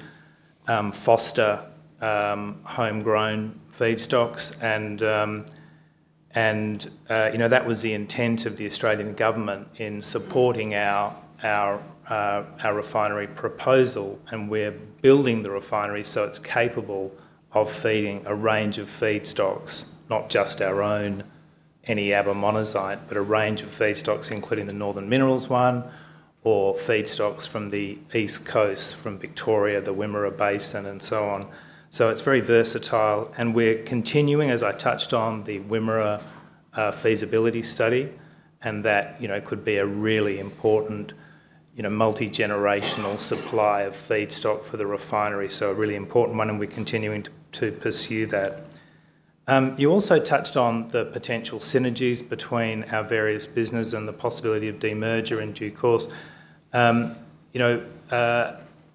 foster homegrown feedstocks and, you know, that was the intent of the Australian Government in supporting our refinery proposal. We're building the refinery so it's capable of feeding a range of feedstocks, not just our own Eneabba monazite, but a range of feedstocks, including the Northern Minerals one or feedstocks from the East Coast, from Victoria, the Wimmera Basin, and so on. It's very versatile, and we're continuing, as I touched on, the Wimmera feasibility study, and that, you know, could be a really important, you know, multi-generational supply of feedstock for the refinery. A really important one, and we're continuing to pursue that. You also touched on the potential synergies between our various business and the possibility of demerger in due course. You know,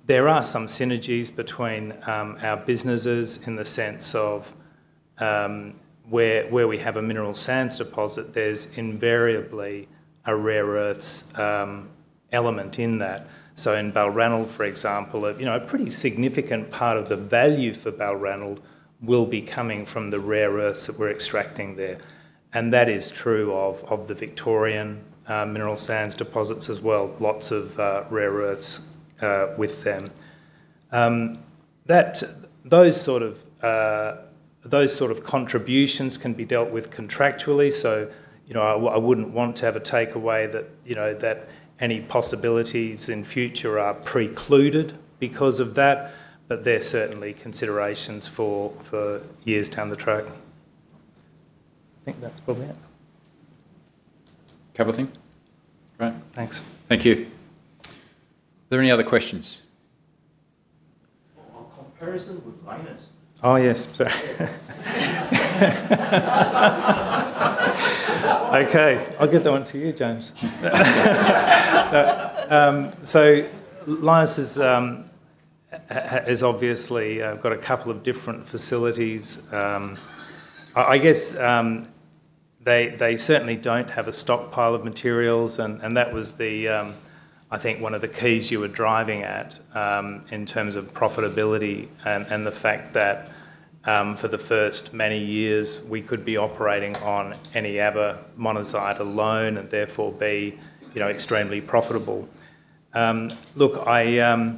there are some synergies between our businesses in the sense of where we have a mineral sands deposit, there's invariably a rare earths element in that. In Balranald, for example, you know, a pretty significant part of the value for Balranald will be coming from the rare earths that we're extracting there, and that is true of the Victorian mineral sands deposits as well, lots of rare earths with them. That, those sort of contributions can be dealt with contractually, so you know, I wouldn't want to have a takeaway that, you know, that any possibilities in future are precluded because of that. They're certainly considerations for years down the track. I think that's probably it. Cover thing? Great. Thanks. Thank you. Are there any other questions? Well, a comparison with Lynas. Oh, yes. Sorry. Okay, I'll give that one to you, James. Lynas has obviously got a couple of different facilities. I guess, they certainly don't have a stockpile of materials and that was the, I think one of the keys you were driving at, in terms of profitability and the fact that, for the first many years we could be operating on Eneabba monazite alone and therefore be, you know, extremely profitable. Look, I,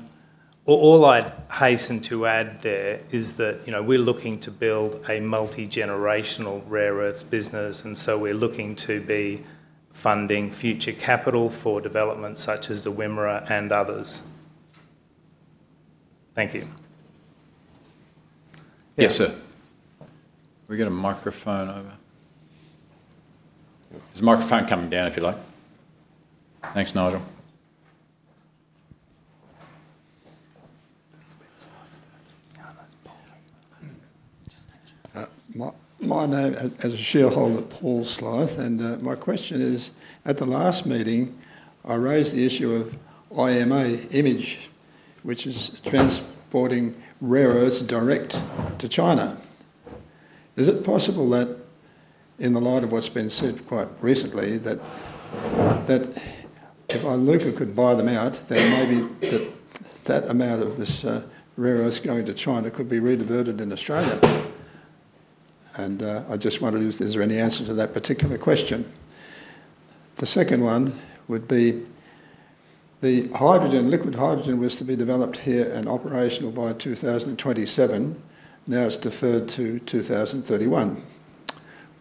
all I'd hasten to add there is that, you know, we're looking to build a multi-generational rare earths business, we're looking to be funding future capital for developments such as the Wimmera and others. Thank you. Yes, sir. Can we get a microphone over? There is a microphone coming down if you like. Thanks. Let's wait till it stops then. No, no, Paul. Just make sure. My name as a shareholder, Paul Slythe, my question is, at the last meeting I raised the issue of Image, which is transporting rare earths direct to China. Is it possible that in the light of what's been said quite recently that if Iluka could buy them out, then maybe that amount of this rare earths going to China could be rediverted in Australia? I just wondered if, is there any answer to that particular question? The second one would be liquid hydrogen was to be developed here and operational by 2027, now it's deferred to 2031,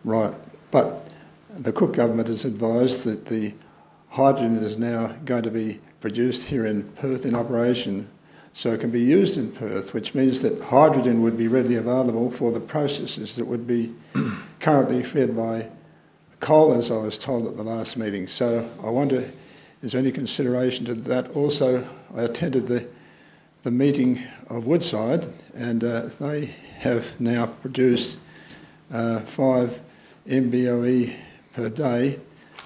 right? The Cook Government has advised that the hydrogen is now going to be produced here in Perth, in operation, so it can be used in Perth, which means that hydrogen would be readily available for the processes that would be currently fed by coal, as I was told at the last meeting. I wonder, is there any consideration to that? Also, I attended the meeting of Woodside and they have now produced 5 MBOE per day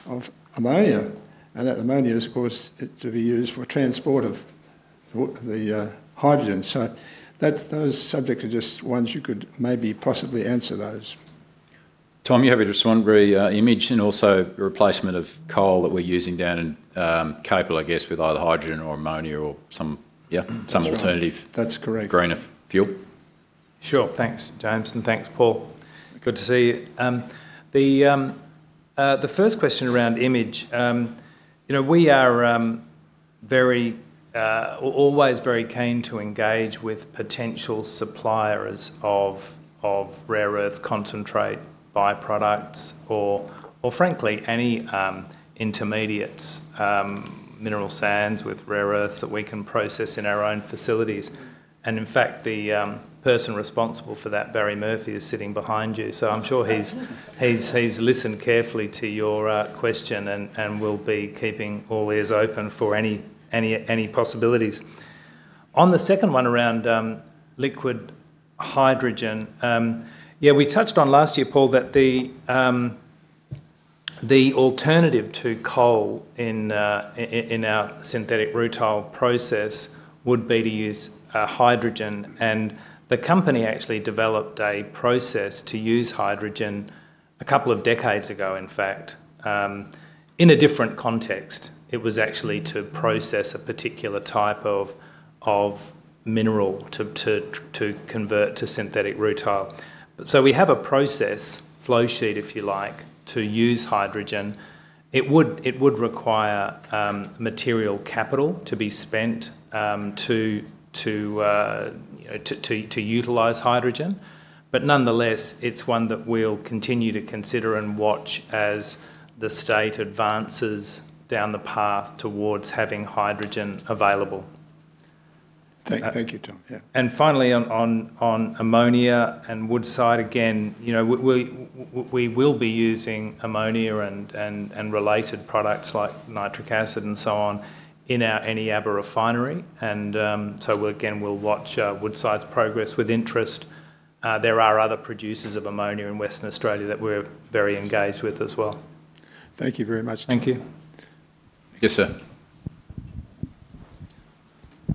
of ammonia, and that ammonia is of course to be used for transport of the hydrogen. Those subjects are just ones you could maybe possibly answer those. Tom, you happy to respond re, Image and also replacement of coal that we're using down in, Capel, I guess with either hydrogen or ammonia or some. That's right. some alternative That's correct. greener fuel. Sure. Thanks, James. Thanks, Paul. Good to see you. The first question around Image, you know, we are always very keen to engage with potential suppliers of rare earths concentrate byproducts or frankly, any intermediates, mineral sands with rare earths that we can process in our own facilities. In fact, the person responsible for that, Barry Murphy, is sitting behind you. I'm sure he's listened carefully to your question and will be keeping all ears open for any possibilities. On the second one around, liquid hydrogen, yeah, we touched on last year, Paul, that the alternative to coal in our synthetic rutile process would be to use hydrogen, and the company actually developed a process to use hydrogen a couple of decades ago, in fact, in a different context. It was actually to process a particular type of mineral to convert to synthetic rutile. So we have a process, flow sheet if you like, to use hydrogen. It would require material capital to be spent to utilize hydrogen. Nonetheless, it's one that we'll continue to consider and watch as the state advances down the path towards having hydrogen available. Thank you, Tom. Yeah. Finally, on ammonia and Woodside, again, you know, we will be using ammonia and related products like nitric acid and so on in our Eneabba refinery. We'll, again, we'll watch Woodside's progress with interest. There are other producers of ammonia in Western Australia that we're very engaged with as well. Thank you very much, Tom. Thank you. Yes, sir.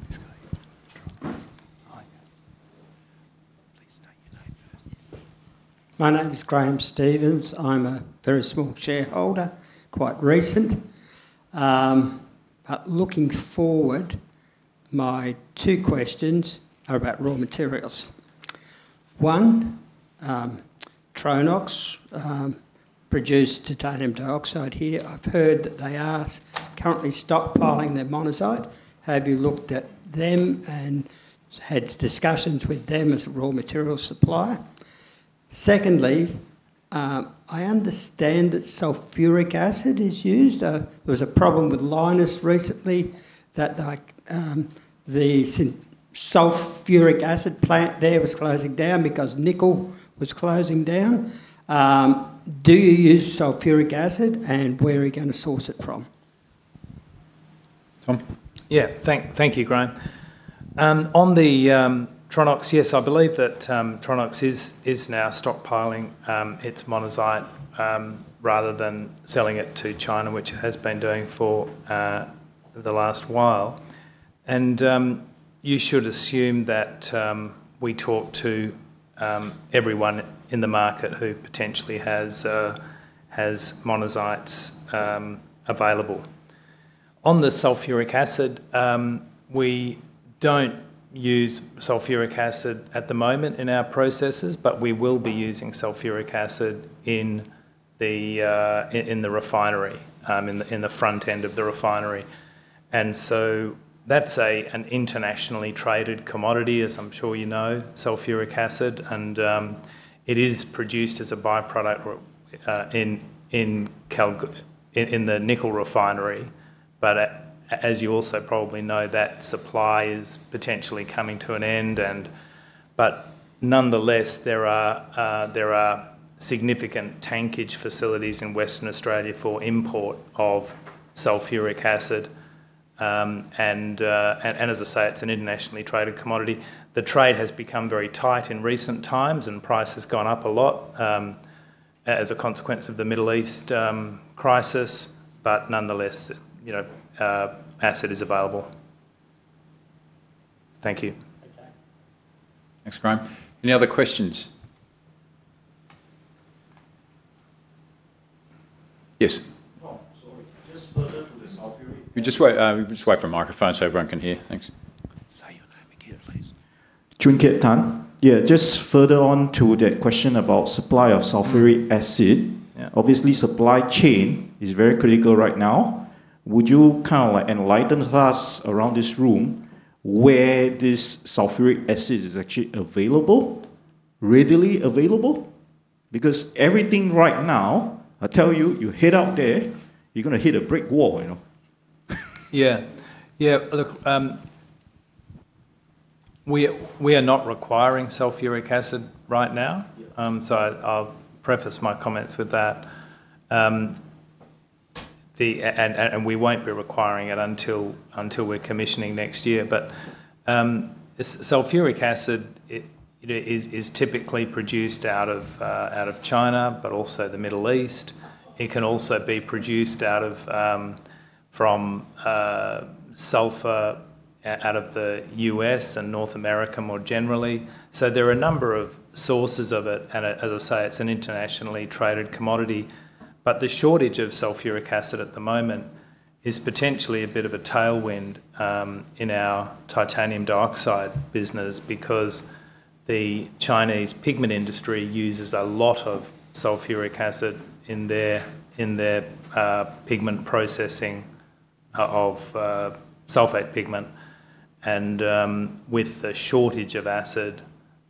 This guy. Hi. Please state your name first. My name is Graham Stevens. I'm a very small shareholder, quite recent. Looking forward, my two questions are about raw materials. One, Tronox produce titanium dioxide here. I've heard that they are currently stockpiling their monazite. Have you looked at them and had discussions with them as a raw material supplier? Secondly, I understand that sulfuric acid is used. There was a problem with Lynas recently that, like, the sulfuric acid plant there was closing down because nickel was closing down. Do you use sulfuric acid, and where are you gonna source it from? Tom? Thank you, Graham. On the Tronox, yes, I believe that Tronox is now stockpiling its monazite rather than selling it to China, which it has been doing for the last while. You should assume that we talk to everyone in the market who potentially has monazites available. On the sulfuric acid, we don't use sulfuric acid at the moment in our processes, but we will be using sulfuric acid in the refinery in the front end of the refinery. That's an internationally traded commodity, as I'm sure you know, sulfuric acid, and it is produced as a byproduct in the nickel refinery. As you also probably know, that supply is potentially coming to an end. Nonetheless, there are significant tankage facilities in Western Australia for import of sulfuric acid. As I say, it's an internationally traded commodity. The trade has become very tight in recent times, and price has gone up a lot as a consequence of the Middle East crisis, but nonetheless, you know, acid is available. Thank you. Okay. Thanks, Graham. Any other questions? Yes. Oh, sorry. Just further to the sulfuric- Just wait for a microphone so everyone can hear. Thanks. Say your name again, please. Chun Kit Tan. Yeah, just further on to the question about supply of sulfuric acid. Yeah. Obviously, supply chain is very critical right now. Would you kind of like enlighten us around this room where this sulfuric acid is actually available, readily available? Everything right now, I tell you head out there, you're gonna hit a brick wall, you know? Yeah. Yeah. Look, we are not requiring sulfuric acid right now. Yeah. I'll preface my comments with that. And we won't be requiring it until we're commissioning next year. Sulfuric acid is typically produced out of China, but also the Middle East. It can also be produced from sulfur out of the U.S. and North America more generally. There are a number of sources of it, and as I say, it's an internationally traded commodity. The shortage of sulfuric acid at the moment is potentially a bit of a tailwind in our titanium dioxide business because the Chinese pigment industry uses a lot of sulfuric acid in their pigment processing of sulfate pigment. With the shortage of acid,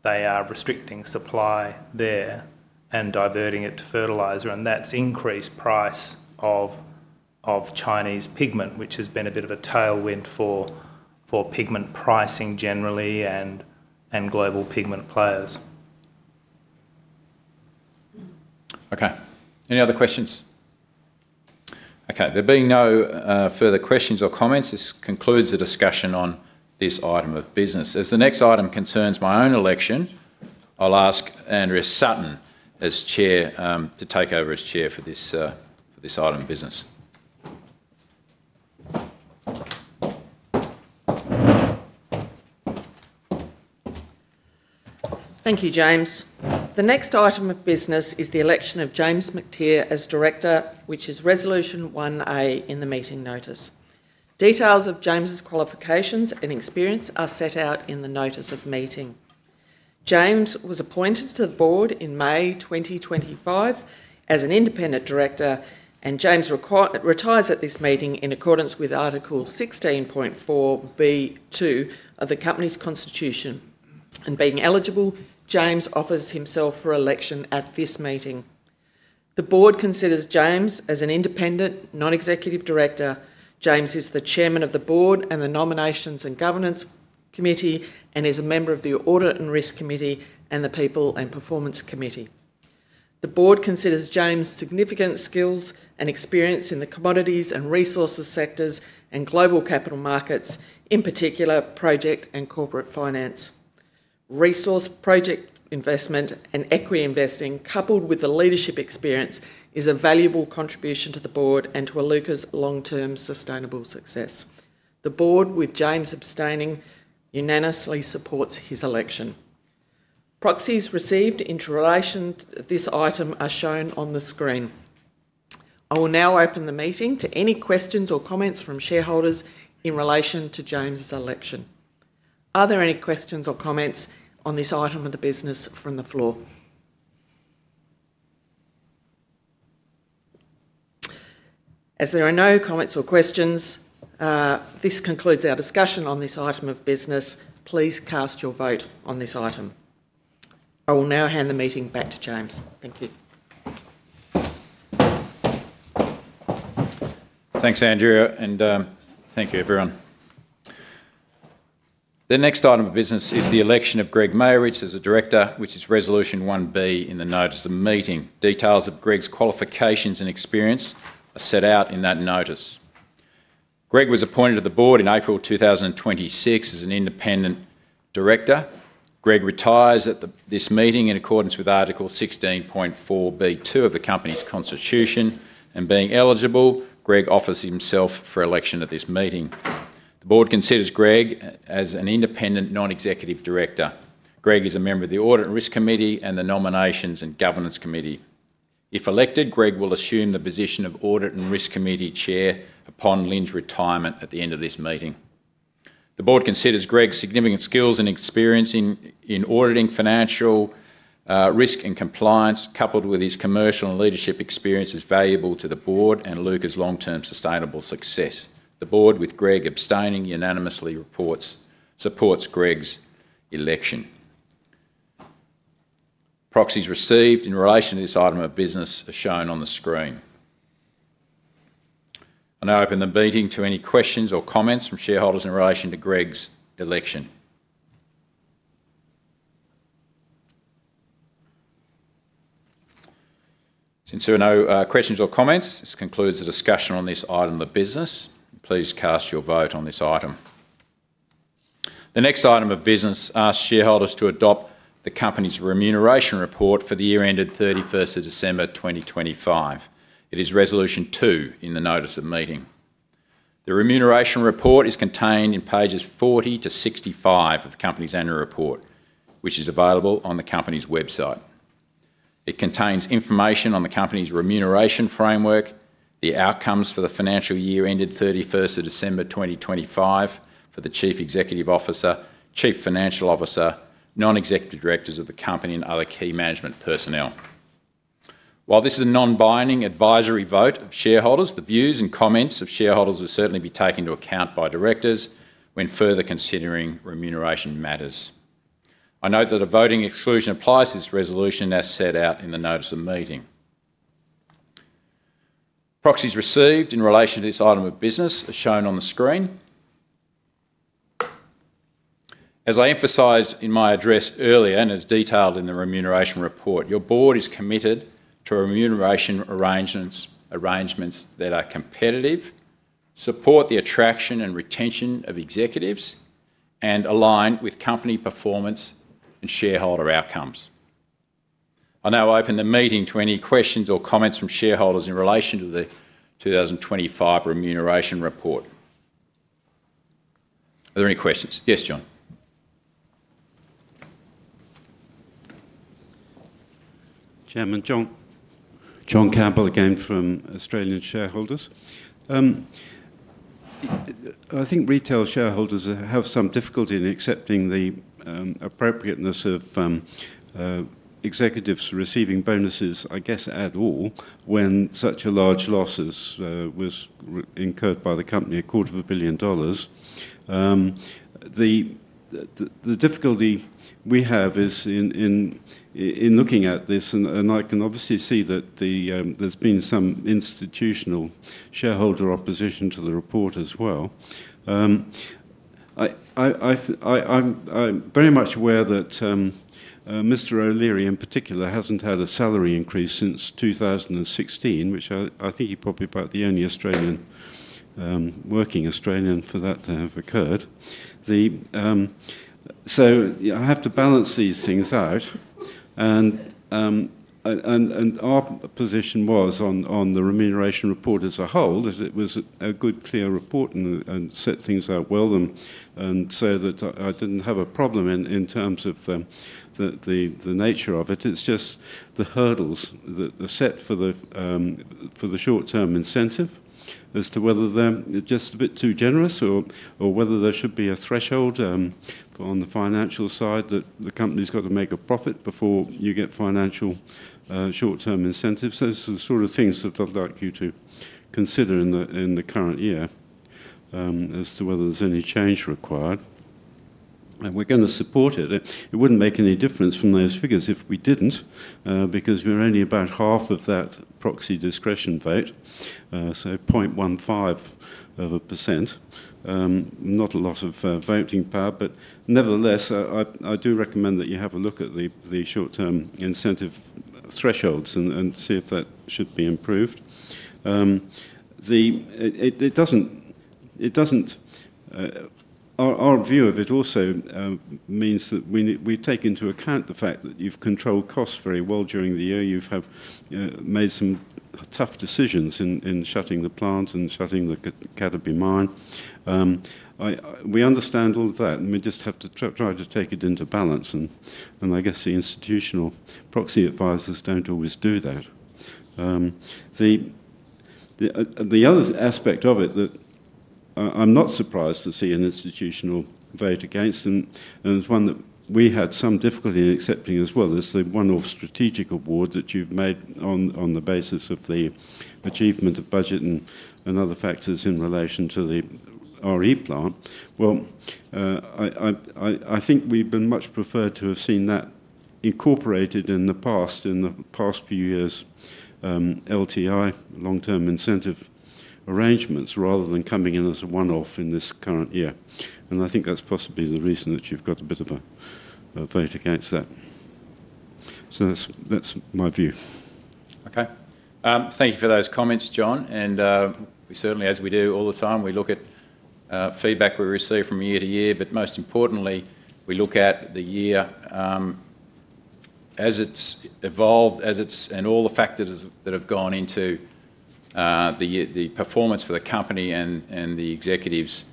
they are restricting supply there and diverting it to fertilizer. That's increased price of Chinese pigment, which has been a bit of a tailwind for pigment pricing generally and global pigment players. Any other questions? There being no further questions or comments, this concludes the discussion on this item of business. As the next item concerns my own election, I'll ask Andrea Sutton as chair, to take over as chair for this item of business. Thank you, James. The next item of business is the election of James Mactier as director, which is Resolution 1A in the meeting notice. Details of James's qualifications and experience are set out in the notice of meeting. James was appointed to the board in May 2025 as an independent director. James retires at this meeting in accordance with Article 16.4B2 of the company's constitution. Being eligible, James offers himself for election at this meeting. The board considers James as an independent non-executive director. James is the Chairman of the board and the Nominations and Governance Committee, and is a member of the Audit and Risk Committee and the People and Performance Committee. The board considers James' significant skills and experience in the commodities and resources sectors and global capital markets, in particular project and corporate finance. Resource project investment and equity investing, coupled with the leadership experience, is a valuable contribution to the board and to Iluka's long-term sustainable success. The board, with James abstaining, unanimously supports his election. Proxies received in relation to this item are shown on the screen. I will now open the meeting to any questions or comments from shareholders in relation to James' election. Are there any questions or comments on this item of the business from the floor? As there are no comments or questions, this concludes our discussion on this item of business. Please cast your vote on this item. I will now hand the meeting back to James. Thank you. Thanks, Andrea, and thank you, everyone. The next item of business is the election of Greg Meyerowitz as a director, which is Resolution 1B in the notice of meeting. Details of Greg's qualifications and experience are set out in that notice. Greg was appointed to the board in April 2026 as an independent director. Greg retires at this meeting in accordance with Article 16.4B2 of the company's constitution, and being eligible, Greg offers himself for election at this meeting. The board considers Greg as an independent non-executive director. Greg is a member of the Audit and Risk Committee and the Nominations and Governance Committee. If elected, Greg will assume the position of Audit and Risk Committee Chair upon Lynne Saint's retirement at the end of this meeting. The board considers Greg's significant skills and experience in auditing financial risk and compliance, coupled with his commercial and leadership experience, as valuable to the board and Iluka's long-term sustainable success. The board, with Greg abstaining, unanimously supports Greg's election. Proxies received in relation to this item of business are shown on the screen. I now open the meeting to any questions or comments from shareholders in relation to Greg's election. Since there are no questions or comments, this concludes the discussion on this item of business. Please cast your vote on this item. The next item of business asks shareholders to adopt the company's remuneration report for the year ended 31st of December 2025. It is Resolution 2 in the notice of meeting. The remuneration report is contained in pages 40 to 65 of the company's annual report, which is available on the company's website. It contains information on the company's remuneration framework, the outcomes for the financial year ended 31st of December 2025 for the chief executive officer, chief financial officer, non-executive directors of the company and other key management personnel. This is a non-binding advisory vote of shareholders, the views and comments of shareholders will certainly be taken into account by directors when further considering remuneration matters. I note that a voting exclusion applies to this resolution as set out in the notice of meeting. Proxies received in relation to this item of business are shown on the screen. I emphasized in my address earlier, and as detailed in the remuneration report, your board is committed to remuneration arrangements that are competitive, support the attraction and retention of executives, and align with company performance and shareholder outcomes. I now open the meeting to any questions or comments from shareholders in relation to the 2025 remuneration report. Are there any questions? Yes, John. Chairman John. John Campbell again from Australian Shareholders' Association. I think retail shareholders have some difficulty in accepting the appropriateness of executives receiving bonuses, I guess, at all when such a large loss was incurred by the company, a quarter of a billion dollars. The difficulty we have is in looking at this and I can obviously see that there's been some institutional shareholder opposition to the report as well. I'm very much aware that Tom O'Leary in particular hasn't had a salary increase since 2016, which I think he probably about the only Australian working Australian for that to have occurred. I have to balance these things out. Our position was on the remuneration report as a whole, that it was a good, clear report and set things out well. I didn't have a problem in terms of the nature of it. It's just the hurdles that are set for the short-term incentive as to whether they're just a bit too generous or whether there should be a threshold on the financial side that the company's got to make a profit before you get financial short-term incentives. Those are the sort of things that I'd like you to consider in the current year as to whether there's any change required. We're gonna support it. It wouldn't make any difference from those figures if we didn't, because we're only about half of that proxy discretion vote. 0.15%. Not a lot of voting power, but nevertheless, I do recommend that you have a look at the short-term incentive thresholds and see if that should be improved. Our view of it also means that we take into account the fact that you've controlled costs very well during the year. You've made some tough decisions in shutting the plant and shutting the Cataby mine. We understand all of that and we just have to try to take it into balance and I guess the institutional proxy advisors don't always do that. The other aspect of it that I'm not surprised to see an institutional vote against and it's one that we had some difficulty in accepting as well. There's the one-off strategic award that you've made on the basis of the achievement of budget and other factors in relation to the RE plant. I think we've been much preferred to have seen that incorporated in the past few years, LTI, long-term incentive arrangements, rather than coming in as a one-off in this current year. I think that's possibly the reason that you've got a bit of a vote against that. That's my view. Okay. Thank you for those comments, John. We certainly, as we do all the time, we look at feedback we receive from year to year. Most importantly, we look at the year as it's evolved, and all the factors that have gone into the performance for the company and the executives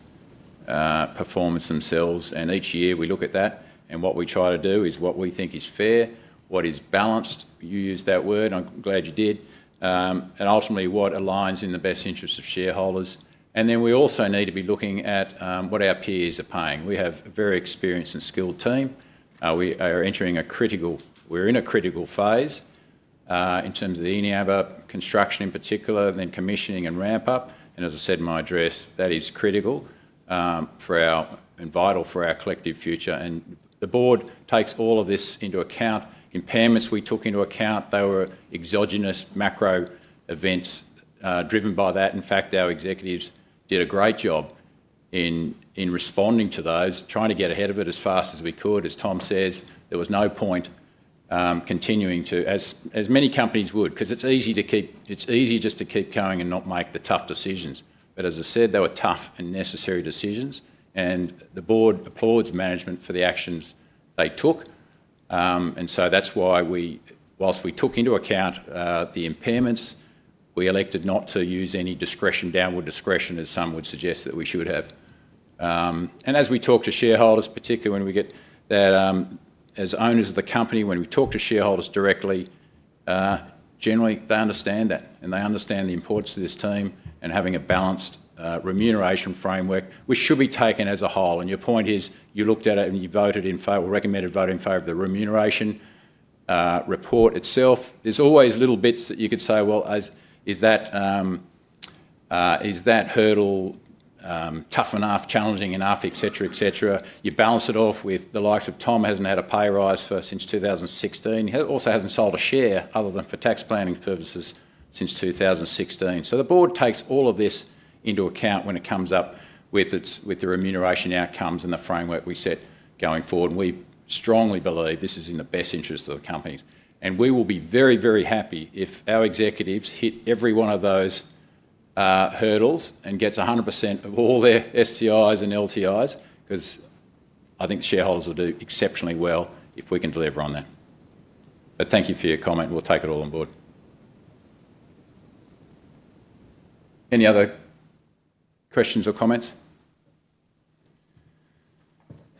performance themselves. Each year we look at that and what we try to do is what we think is fair, what is balanced. You used that word, I'm glad you did. Ultimately what aligns in the best interest of shareholders. Then we also need to be looking at what our peers are paying. We have a very experienced and skilled team. We are entering a critical, we're in a critical phase in terms of the Eneabba construction in particular, and then commissioning and ramp up. As I said in my address, that is critical for our, and vital for our collective future. The board takes all of this into account. Impairments we took into account. They were exogenous macro events driven by that. In fact, our executives did a great job in responding to those, trying to get ahead of it as fast as we could. As Tom says, there was no point continuing to, as many companies would, because it's easy just to keep going and not make the tough decisions. As I said, they were tough and necessary decisions and the board applauds management for the actions they took. That's why we, whilst we took into account, the impairments, we elected not to use any discretion, downward discretion, as some would suggest that we should have. As we talk to shareholders, particularly when we get that, as owners of the company, when we talk to shareholders directly, generally they understand that and they understand the importance of this team and having a balanced remuneration framework, which should be taken as a whole. Your point is you looked at it and you voted in favor, recommended voting in favor of the remuneration, report itself. There's always little bits that you could say, "Well, is that hurdle, tough enough, challenging enough," et cetera, et cetera. You balance it off with the likes of Tom hasn't had a pay rise for, since 2016. He also hasn't sold a share other than for tax planning purposes since 2016. The board takes all of this into account when it comes up with the remuneration outcomes and the framework we set going forward. We strongly believe this is in the best interest of the company. We will be very, very happy if our executives hit every one of those hurdles and gets 100% of all their STIs and LTIs, because I think the shareholders will do exceptionally well if we can deliver on that. Thank you for your comment. We'll take it all on board. Any other questions or comments?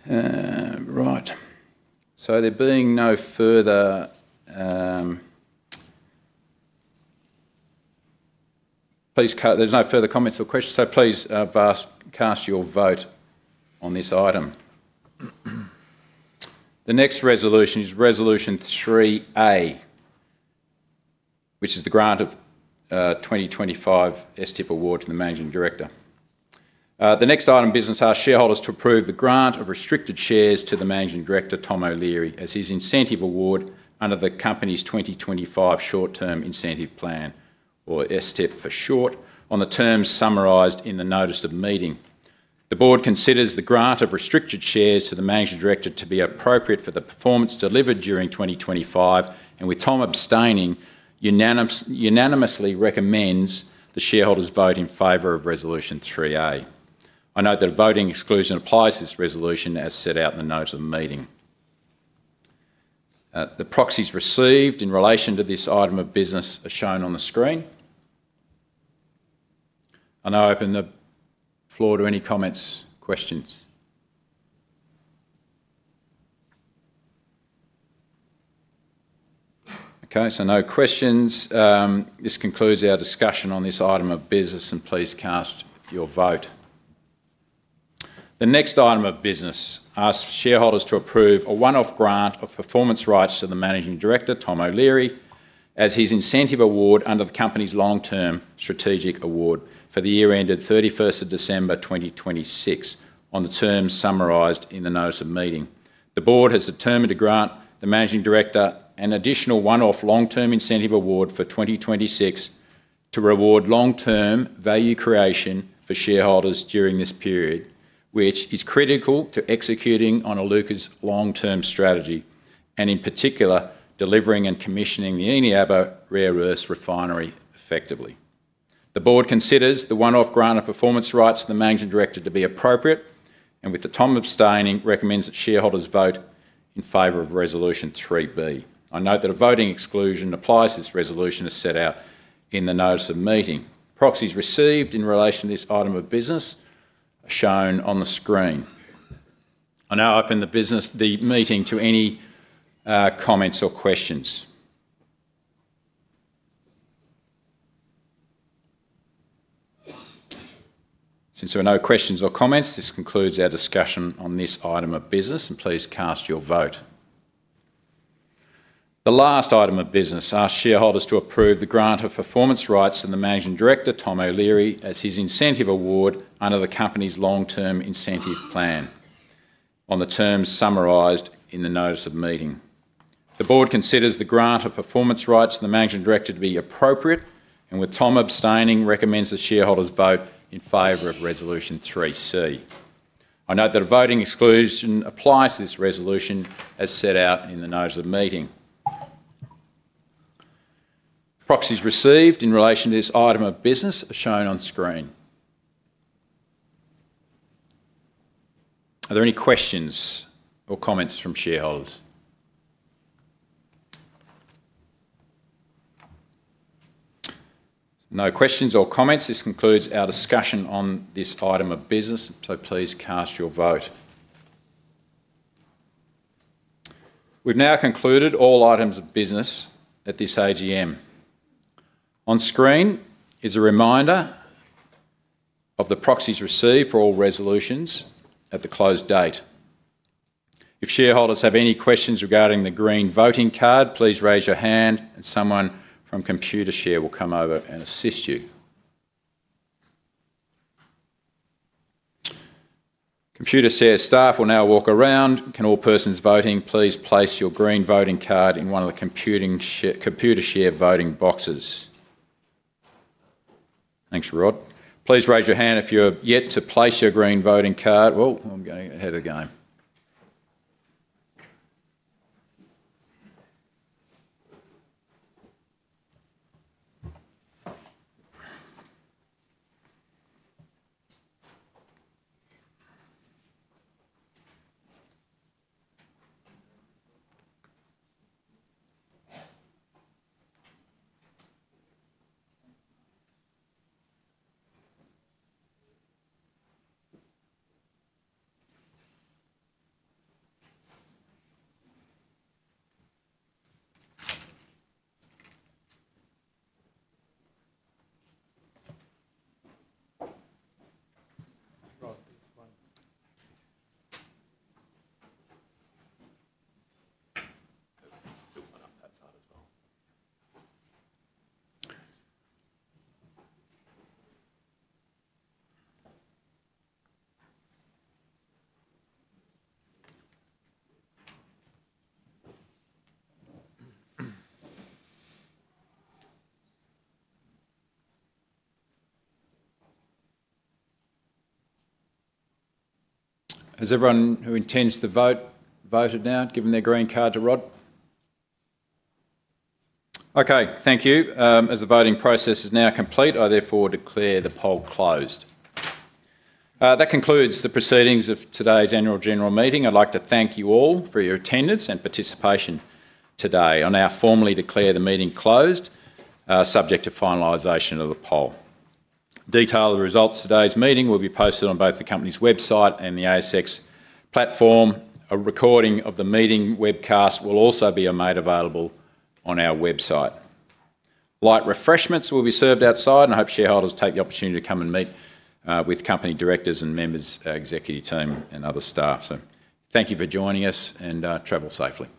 There being no further comments or questions, please cast your vote on this item. The next resolution is Resolution 3A, which is the grant of 2025 STIP award to the Managing Director. The next item of business asks shareholders to approve the grant of restricted shares to the Managing Director, Tom O'Leary, as his incentive award under the company's 2025 short-term incentive plan, or STIP for short, on the terms summarized in the notice of the meeting. The board considers the grant of restricted shares to the Managing Director to be appropriate for the performance delivered during 2025, and with Tom abstaining, unanimously recommends the shareholders vote in favor of Resolution 3A. I note that a voting exclusion applies to this resolution as set out in the notice of the meeting. The proxies received in relation to this item of business are shown on the screen. I open the floor to any comments, questions. Okay, no questions. This concludes our discussion on this item of business, and please cast your vote. The next item of business asks shareholders to approve a one-off grant of performance rights to the Managing Director, Tom O'Leary, as his incentive award under the company's Long-Term Strategic Award for the year ended 31st of December 2026 on the terms summarized in the notice of meeting. The board has determined to grant the Managing Director an additional one-off long-term incentive award for 2026 to reward long-term value creation for shareholders during this period, which is critical to executing on Iluka's long-term strategy, and in particular, delivering and commissioning the Eneabba Rare Earths Refinery effectively. The board considers the one-off grant of performance rights to the Managing Director to be appropriate, and with the Tom abstaining, recommends that shareholders vote in favor of Resolution 3B. I note that a voting exclusion applies to this resolution as set out in the notice of meeting. Proxies received in relation to this item of business are shown on the screen. I now open the meeting to any comments or questions. Since there are no questions or comments, this concludes our discussion on this item of business, and please cast your vote. The last item of business asks shareholders to approve the grant of performance rights to the Managing Director, Tom O'Leary, as his incentive award under the company's Long-Term Incentive Plan on the terms summarized in the notice of meeting. The Board considers the grant of performance rights to the Managing Director to be appropriate, and with Tom abstaining, recommends that shareholders vote in favor of Resolution 3C. I note that a voting exclusion applies to this resolution as set out in the notice of meeting. Proxies received in relation to this item of business are shown on screen. Are there any questions or comments from shareholders? No questions or comments. This concludes our discussion on this item of business. Please cast your vote. We've now concluded all items of business at this AGM. On screen is a reminder of the proxies received for all resolutions at the closed date. If shareholders have any questions regarding the green voting card, please raise your hand and someone from Computershare will come over and assist you. Computershare staff will now walk around. Can all persons voting please place your green voting card in one of the Computershare voting boxes. Thanks, Rod. Please raise your hand if you're yet to place your green voting card. Whoa, I'm getting ahead again. Rod, this one. There's still one up that side as well. Has everyone who intends to vote voted now, given their green card to Rod? Okay, thank you. As the voting process is now complete, I therefore declare the poll closed. That concludes the proceedings of today's annual general meeting. I'd like to thank you all for your attendance and participation today. I now formally declare the meeting closed, subject to finalization of the poll. Detail of the results of today's meeting will be posted on both the company's website and the ASX platform. A recording of the meeting webcast will also be made available on our website. Light refreshments will be served outside, and I hope shareholders take the opportunity to come and meet with company directors and members of our executive team and other staff. Thank you for joining us and travel safely.